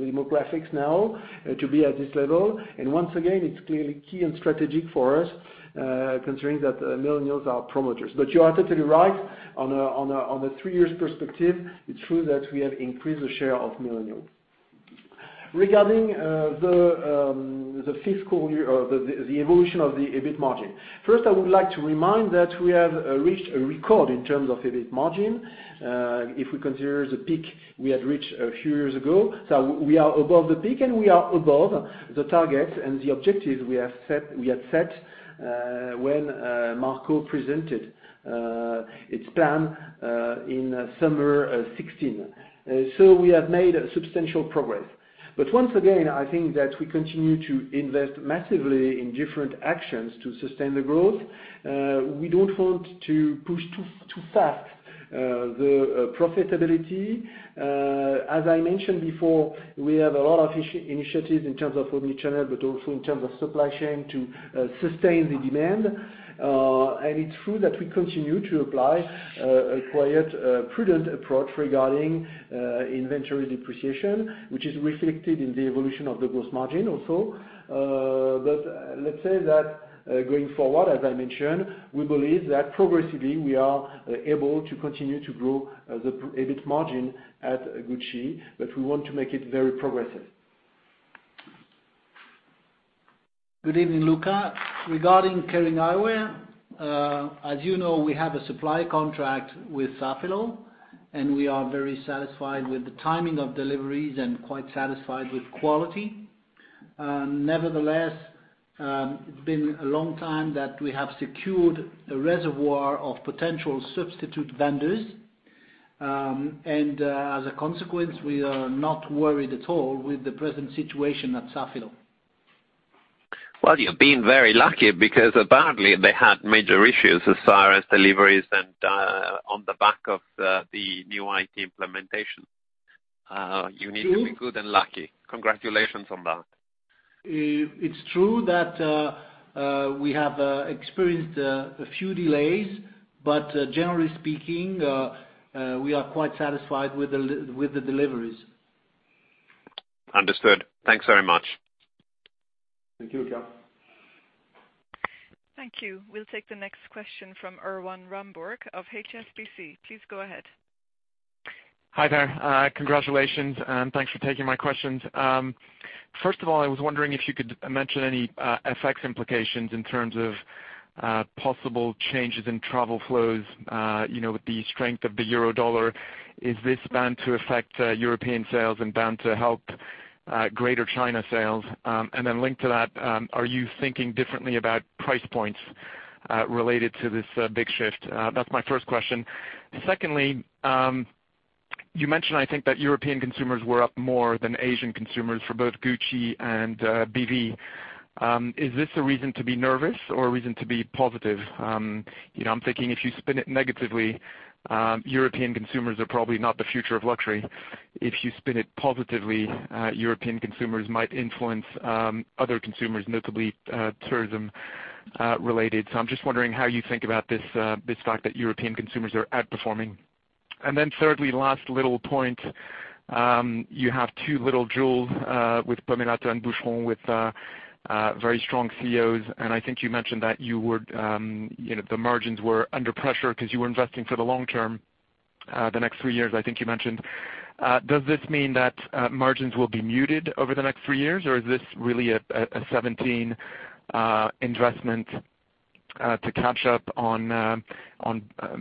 demographics now to be at this level. Once again, it's clearly key and strategic for us, considering that millennials are promoters. You are totally right, on a three years perspective, it's true that we have increased the share of millennials. Regarding the evolution of the EBIT margin. First, I would like to remind that we have reached a record in terms of EBIT margin. If we consider the peak we had reached a few years ago, we are above the peak, and we are above the target and the objectives we had set when Marco presented its plan in summer 2016. We have made substantial progress. Once again, I think that we continue to invest massively in different actions to sustain the growth. We don't want to push too fast the profitability. As I mentioned before, we have a lot of initiatives in terms of omni-channel, but also in terms of supply chain to sustain the demand. It's true that we continue to apply a quite prudent approach regarding inventory depreciation, which is reflected in the evolution of the gross margin also. Let's say that going forward, as I mentioned, we believe that progressively, we are able to continue to grow the EBIT margin at Gucci, but we want to make it very progressive. Good evening, Luca. Regarding Kering Eyewear, as you know, we have a supply contract with Safilo, and we are very satisfied with the timing of deliveries and quite satisfied with quality. Nevertheless, it's been a long time that we have secured a reservoir of potential substitute vendors. As a consequence, we are not worried at all with the present situation at Safilo. Well, you've been very lucky because apparently they had major issues as far as deliveries and on the back of the new IT implementation. True. You need to be good and lucky. Congratulations on that. It's true that we have experienced a few delays, generally speaking, we are quite satisfied with the deliveries. Understood. Thanks very much. Thank you, Luca. Thank you. We'll take the next question from Erwan Rambourg of HSBC. Please go ahead. Hi there. Congratulations, and thanks for taking my questions. First of all, I was wondering if you could mention any FX implications in terms of possible changes in travel flows with the strength of the euro dollar. Is this bound to affect European sales and bound to help Greater China sales? Linked to that, are you thinking differently about price points related to this big shift? That's my first question. Secondly, you mentioned, I think that European consumers were up more than Asian consumers for both Gucci and BV. Is this a reason to be nervous or a reason to be positive? I'm thinking if you spin it negatively, European consumers are probably not the future of luxury. If you spin it positively, European consumers might influence other consumers, notably tourism-related. I'm just wondering how you think about this fact that European consumers are outperforming. Thirdly, last little point, you have two little jewels with Pomellato and Boucheron with very strong CEOs, and I think you mentioned that the margins were under pressure because you were investing for the long term, the next three years, I think you mentioned. Does this mean that margins will be muted over the next three years, or is this really a 2017 investment to catch up on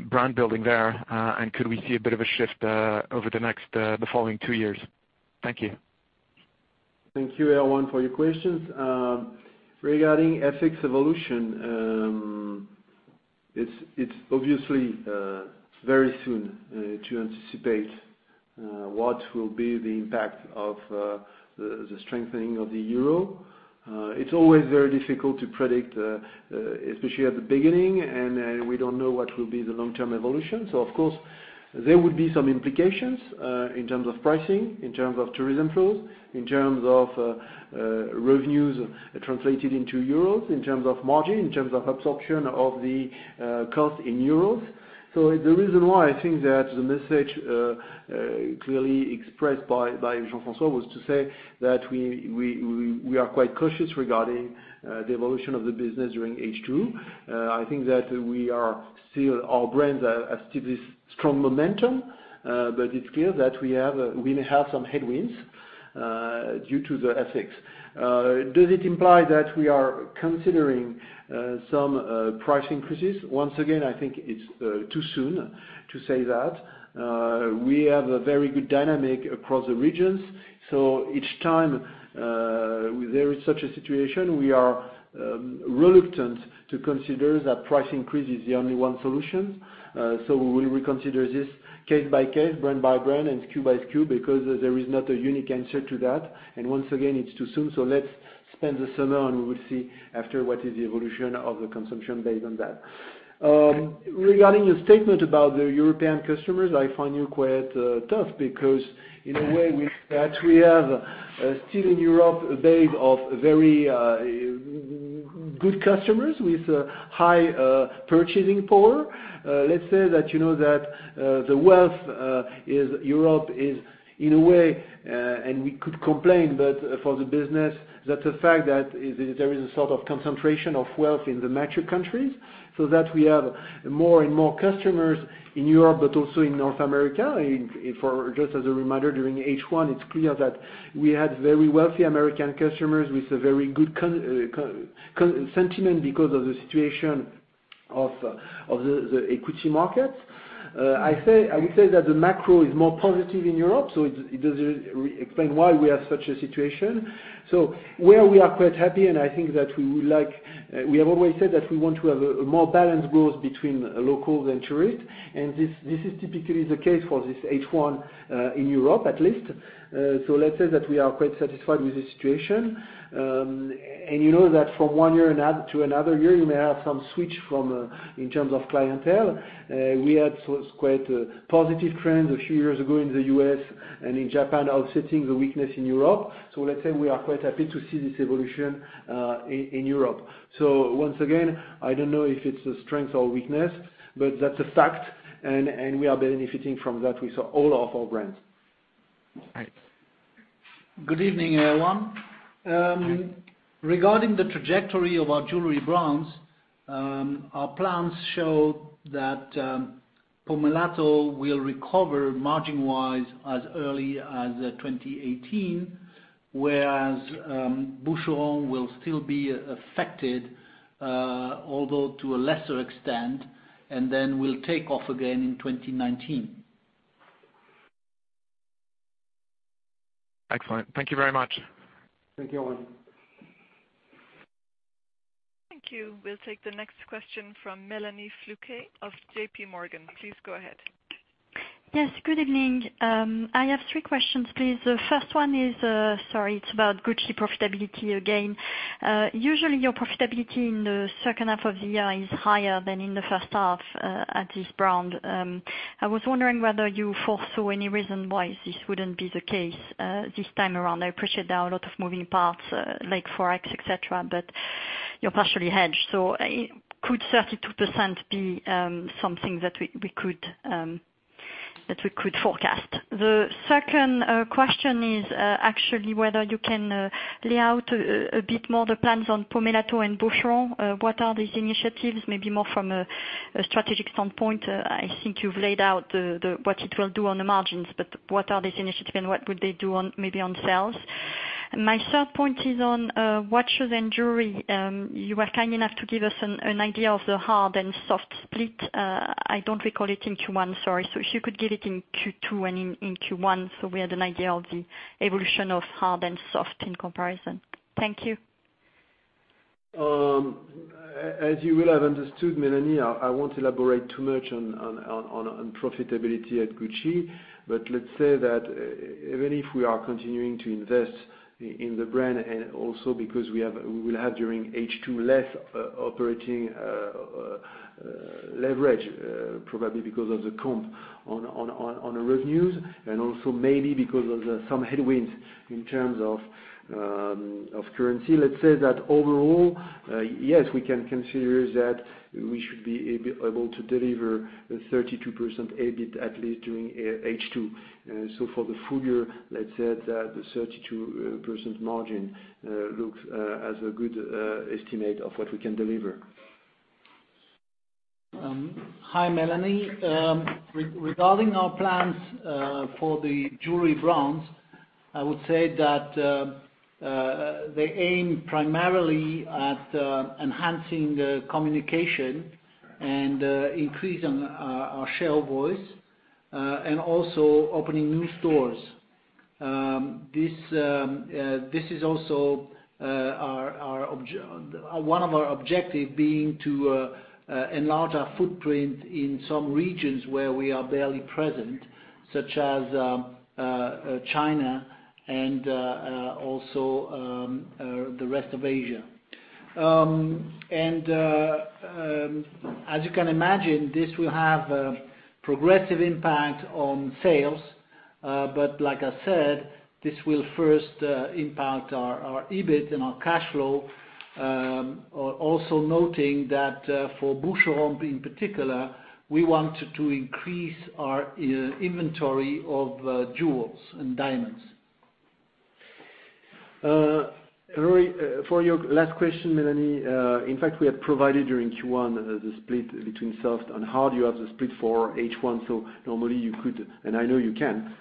brand building there? Could we see a bit of a shift over the following two years? Thank you. Thank you, Erwan, for your questions. Regarding FX evolution, it's obviously very soon to anticipate what will be the impact of the strengthening of the euro. It's always very difficult to predict, especially at the beginning, and we don't know what will be the long-term evolution. Of course, there would be some implications in terms of pricing, in terms of tourism flows, in terms of revenues translated into euros in terms of margin, in terms of absorption of the cost in euros. The reason why I think that the message clearly expressed by Jean-François was to say that we are quite cautious regarding the evolution of the business during H2. I think that our brands have still this strong momentum, but it's clear that we have some headwinds due to the FX. Does it imply that we are considering some price increases? Once again, I think it's too soon to say that. We have a very good dynamic across the regions. Each time there is such a situation, we are reluctant to consider that price increase is the only one solution. We will reconsider this case by case, brand by brand, and SKU by SKU, because there is not a unique answer to that. Once again, it's too soon, so let's spend the summer and we will see after, what is the evolution of the consumption based on that. Regarding your statement about the European customers, I find you quite tough, because in a way, we have still in Europe a base of very good customers with a high purchasing power. The wealth is Europe is, in a way, and we could complain, but for the business, that's a fact that there is a sort of concentration of wealth in the mature countries so that we have more and more customers in Europe, but also in North America. Just as a reminder, during H1, it's clear that we had very wealthy American customers with a very good sentiment because of the situation of the equity market. I would say that the macro is more positive in Europe, so it doesn't really explain why we have such a situation. Where we are quite happy, and I think that we have always said that we want to have a more balanced growth between local and tourist, and this is typically the case for this H1, in Europe at least. We are quite satisfied with this situation. You know that from one year to another year, you may have some switch in terms of clientele. We had quite a positive trend a few years ago in the U.S. and in Japan, offsetting the weakness in Europe. We are quite happy to see this evolution in Europe. Once again, I don't know if it's a strength or weakness, but that's a fact, and we are benefiting from that with all of our brands. Right. Good evening, everyone. Regarding the trajectory of our jewelry brands, our plans show that Pomellato will recover margin-wise as early as 2018, whereas Boucheron will still be affected, although to a lesser extent, and then will take off again in 2019. Excellent. Thank you very much. Thank you, Erwan. Thank you. We will take the next question from Mélanie Flouquet of JP Morgan. Please go ahead. Yes, good evening. I have three questions, please. The first one is, sorry, it is about Gucci profitability again. Usually, your profitability in the second half of the year is higher than in the first half at this brand. I was wondering whether you foresaw any reason why this wouldn't be the case this time around. I appreciate there are a lot of moving parts like Forex, et cetera, but you are partially hedged, so could 32% be something that we could forecast? The second question is actually whether you can lay out a bit more the plans on Pomellato and Boucheron. What are these initiatives? Maybe more from a strategic standpoint. I think you have laid out what it will do on the margins, but what are these initiatives and what would they do maybe on sales? My third point is on watches and jewelry. You were kind enough to give us an idea of the hard and soft split. I do not recall it in Q1, sorry. If you could give it in Q2 and in Q1 so we had an idea of the evolution of hard and soft in comparison. Thank you. As you will have understood, Mélanie, I won't elaborate too much on profitability at Gucci. Let's say that even if we are continuing to invest in the brand, and also because we will have, during H2, less operating leverage, probably because of the comp on the revenues and also maybe because of some headwinds in terms of currency. Let's say that overall, yes, we can consider that we should be able to deliver the 32% EBIT at least during H2. For the full year, let's say that the 32% margin looks as a good estimate of what we can deliver. Hi, Mélanie. Regarding our plans for the jewelry brands, I would say that they aim primarily at enhancing the communication and increasing our share of voice, also opening new stores. This is also one of our objective being to enlarge our footprint in some regions where we are barely present, such as China and also the rest of Asia. As you can imagine, this will have a progressive impact on sales. Like I said, this will first impact our EBIT and our cash flow. Also noting that for Boucheron, in particular, we want to increase our inventory of jewels and diamonds. For your last question, Mélanie, in fact, we have provided during Q1, the split between soft and hard. You have the split for H1, normally you could, and I know you can,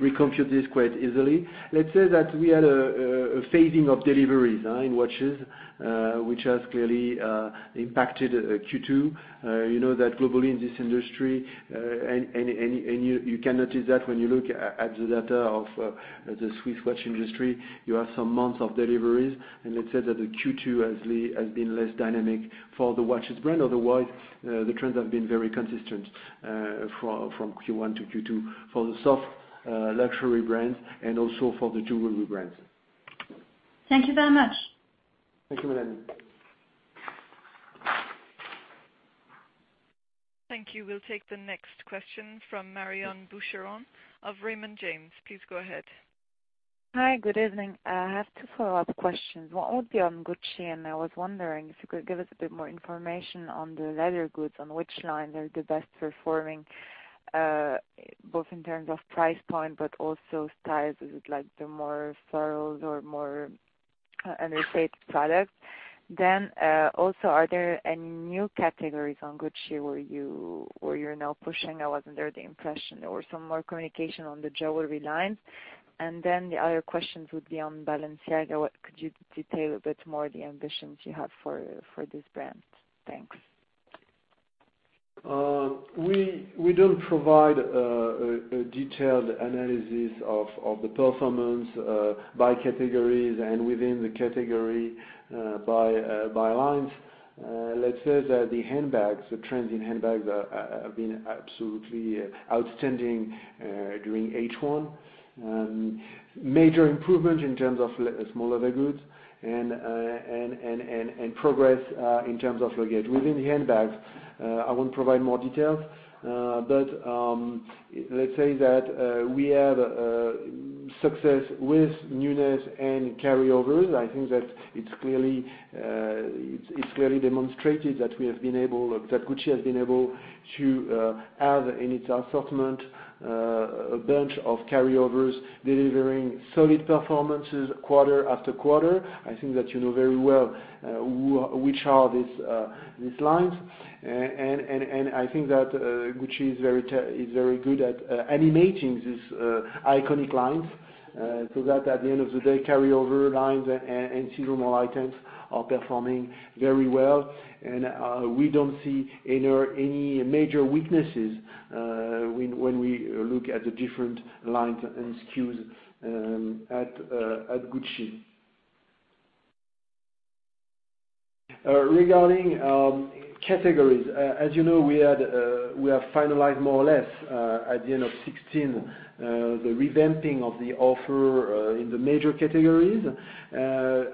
recompute this quite easily. Let's say that we had a phasing of deliveries in watches, which has clearly impacted Q2. You know that globally in this industry, and you can notice that when you look at the data of the Swiss watch industry, you have some months of deliveries, and let's say that the Q2 has been less dynamic for the watches brand. Otherwise, the trends have been very consistent from Q1 to Q2 for the soft luxury brands and also for the jewelry brands. Thank you very much. Thank you, Mélanie. Thank you. We'll take the next question from Marion Boucheron of Raymond James. Please go ahead. Hi, good evening. I have two follow-up questions. One would be on Gucci, I was wondering if you could give us a bit more information on the leather goods, on which line they're the best performing, both in terms of price point but also styles. Is it the more furrows or more understated product? Also, are there any new categories on Gucci where you're now pushing? I was under the impression there was some more communication on the jewelry lines. The other question would be on Balenciaga. What could you detail a bit more the ambitions you have for this brand? Thanks. We don't provide a detailed analysis of the performance by categories and within the category by lines. Let's say that the handbags, the trends in handbags have been absolutely outstanding during H1. Major improvement in terms of small leather goods and progress in terms of luggage. Within the handbags, I won't provide more details, but let's say that we have success with newness and carryovers. I think that it's clearly demonstrated that Gucci has been able to have in its assortment a bunch of carryovers delivering solid performances quarter after quarter. I think that you know very well which are these lines. I think that Gucci is very good at animating these iconic lines, so that at the end of the day, carryover lines and seasonal items are performing very well. We don't see any major weaknesses when we look at the different lines and SKUs at Gucci. Regarding categories, as you know, we have finalized more or less, at the end of 2016, the revamping of the offer in the major categories.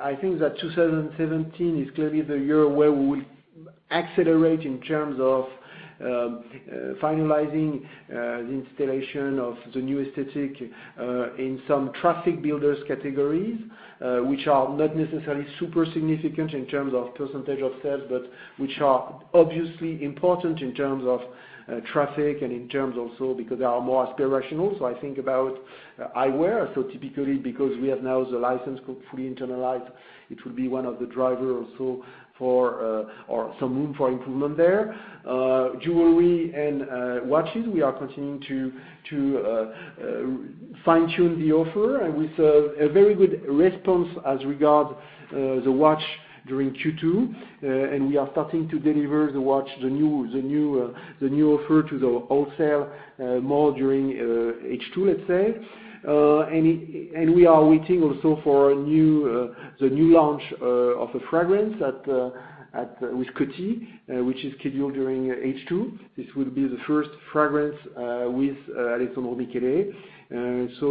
I think that 2017 is clearly the year where we will accelerate in terms of finalizing the installation of the new aesthetic in some traffic-builders categories, which are not necessarily super significant in terms of percentage of sales, but which are obviously important in terms of traffic, and in terms also because they are more aspirational. I think about eyewear, typically because we have now the license fully internalized, it will be one of the driver also for some room for improvement there. Jewelry and watches, we are continuing to fine-tune the offer, and with a very good response as regard the watch during Q2. We are starting to deliver the watch, the new offer to the wholesale more during H2, let's say. We are waiting also for the new launch of a fragrance with Coty, which is scheduled during H2. This will be the first fragrance with Alessandro Michele. It's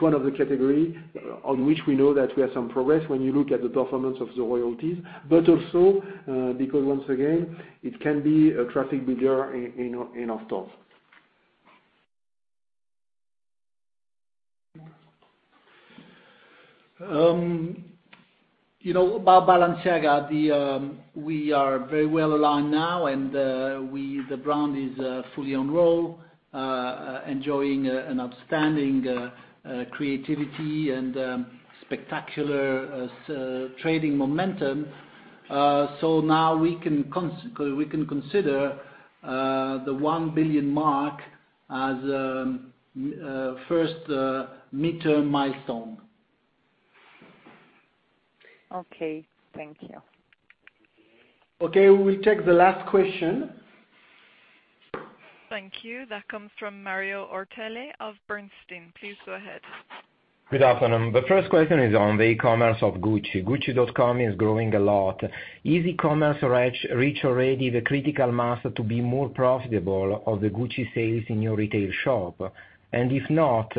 one of the category on which we know that we have some progress when you look at the performance of the royalties, but also because once again, it can be a traffic-builder in our stores. About Balenciaga, we are very well aligned now, the brand is fully on roll, enjoying an outstanding creativity and spectacular trading momentum. Now we can consider the 1 billion mark as first mid-term milestone. Okay. Thank you. Okay, we will take the last question. Thank you. That comes from Mario Ortelli of Bernstein. Please go ahead. Good afternoon. The first question is on the e-commerce of Gucci. gucci.com is growing a lot. Is e-commerce reached already the critical mass to be more profitable of the Gucci sales in your retail shop? If not,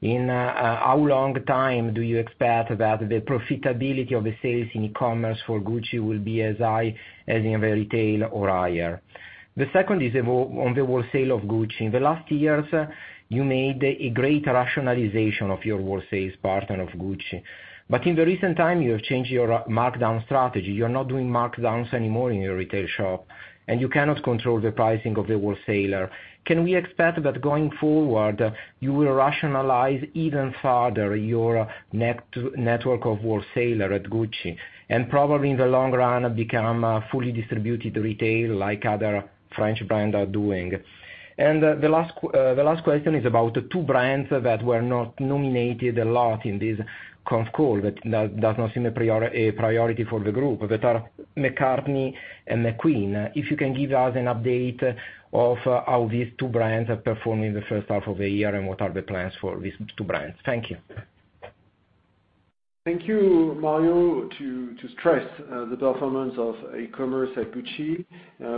in how long time do you expect that the profitability of the sales in e-commerce for Gucci will be as high as in retail or higher? The second is on the wholesale of Gucci. In the last years, you made a great rationalization of your wholesale partner of Gucci. In the recent time, you have changed your markdown strategy. You're not doing markdowns anymore in your retail shop, and you cannot control the pricing of the wholesaler. Can we expect that going forward, you will rationalize even further your network of wholesaler at Gucci? Probably in the long run, become a fully distributed retail like other French brands are doing. The last question is about the two brands that were not nominated a lot in this conf call, that does not seem a priority for the group, that are McCartney and McQueen. If you can give us an update of how these two brands are performing in the first half of the year, and what are the plans for these two brands. Thank you. Thank you, Mario. To stress the performance of e-commerce at Gucci,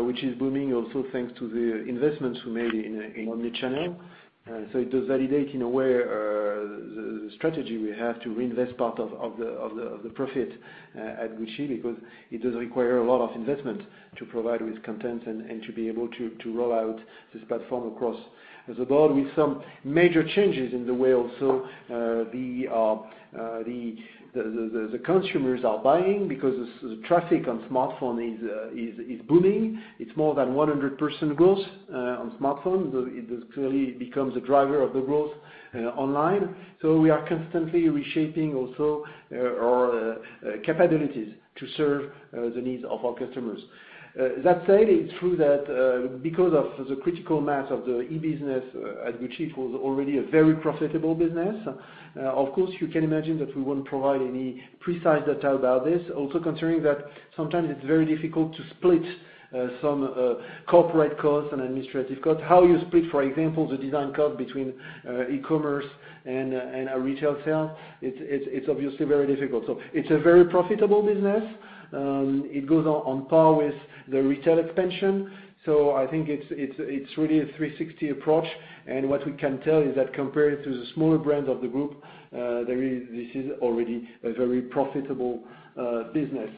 which is booming also thanks to the investments we made in omni-channel. It does validate, in a way, the strategy we have to reinvest part of the profit at Gucci, because it does require a lot of investment to provide with content and to be able to roll out this platform across the board with some major changes in the way also the consumers are buying, because the traffic on smartphone is booming. It's more than 100% growth on smartphone. It clearly becomes a driver of the growth online. We are constantly reshaping also our capabilities to serve the needs of our customers. That said, it's true that because of the critical mass of the e-business at Gucci, it was already a very profitable business. Of course, you can imagine that we won't provide any precise detail about this. Also considering that sometimes it's very difficult to split some corporate costs and administrative costs. How you split, for example, the design cost between e-commerce and a retail sale, it's obviously very difficult. It's a very profitable business. It goes on par with the retail expansion. I think it's really a 360 approach. What we can tell is that compared to the smaller brands of the group, this is already a very profitable business.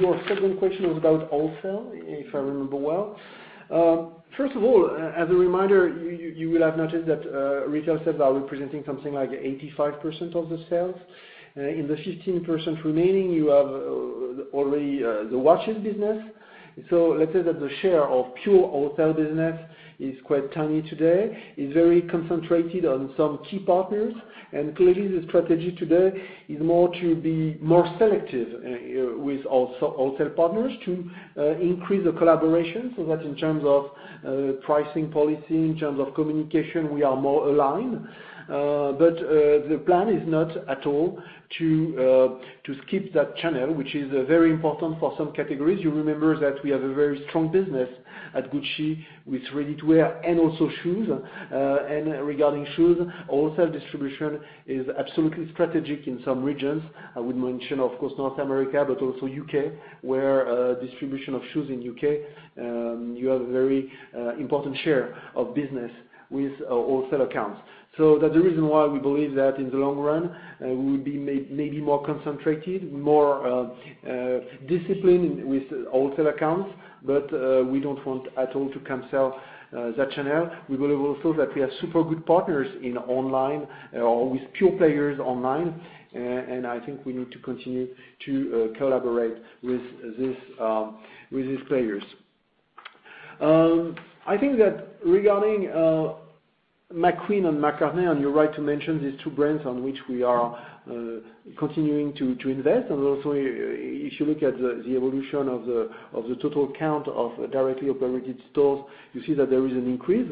Your second question was about wholesale, if I remember well. First of all, as a reminder, you will have noticed that retail sales are representing something like 85% of the sales. In the 15% remaining, you have already the watches business. Let's say that the share of pure wholesale business is quite tiny today. It's very concentrated on some key partners. Clearly, the strategy today is more to be more selective with wholesale partners to increase the collaboration, so that in terms of pricing policy, in terms of communication, we are more aligned. The plan is not at all to skip that channel, which is very important for some categories. You remember that we have a very strong business at Gucci with ready-to-wear and also shoes. Regarding shoes, wholesale distribution is absolutely strategic in some regions. I would mention, of course, North America, but also U.K., where distribution of shoes in U.K., you have a very important share of business with wholesale accounts. That's the reason why we believe that in the long run, we will be maybe more concentrated, more disciplined with wholesale accounts. We don't want at all to cancel that channel. We believe also that we have super good partners in online or with pure players online, I think we need to continue to collaborate with these players. I think that regarding McQueen and McCartney, you're right to mention these two brands on which we are continuing to invest. Also, if you look at the evolution of the total count of directly operated stores, you see that there is an increase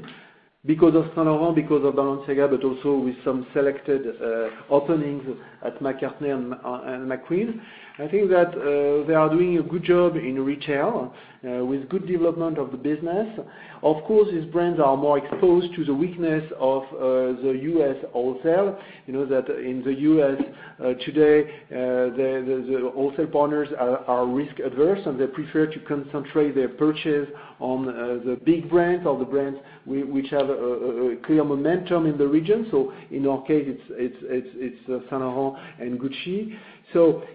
because of Saint Laurent, because of Balenciaga, but also with some selected openings at McCartney and McQueen. I think that they are doing a good job in retail with good development of the business. Of course, these brands are more exposed to the weakness of the U.S. wholesale. You know that in the U.S. today, the wholesale partners are risk averse, and they prefer to concentrate their purchase on the big brands or the brands which have a clear momentum in the region. In our case, it's Saint Laurent and Gucci.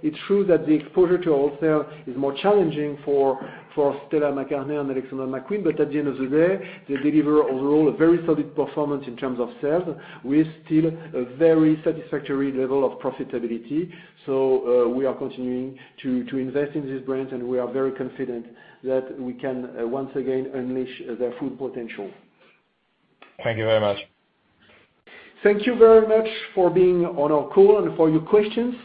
It's true that the exposure to wholesale is more challenging for Stella McCartney and Alexander McQueen. At the end of the day, they deliver overall a very solid performance in terms of sales with still a very satisfactory level of profitability. We are continuing to invest in these brands, and we are very confident that we can once again unleash their full potential. Thank you very much. Thank you very much for being on our call and for your questions.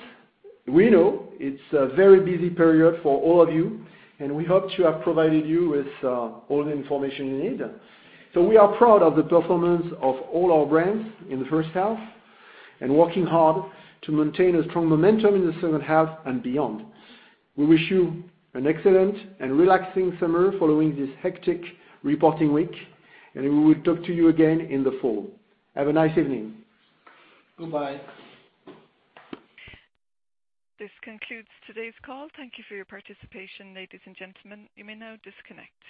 We know it's a very busy period for all of you, and we hope to have provided you with all the information you need. We are proud of the performance of all our brands in the first half and working hard to maintain a strong momentum in the second half and beyond. We wish you an excellent and relaxing summer following this hectic reporting week, and we will talk to you again in the fall. Have a nice evening. Goodbye. This concludes today's call. Thank you for your participation, ladies and gentlemen. You may now disconnect.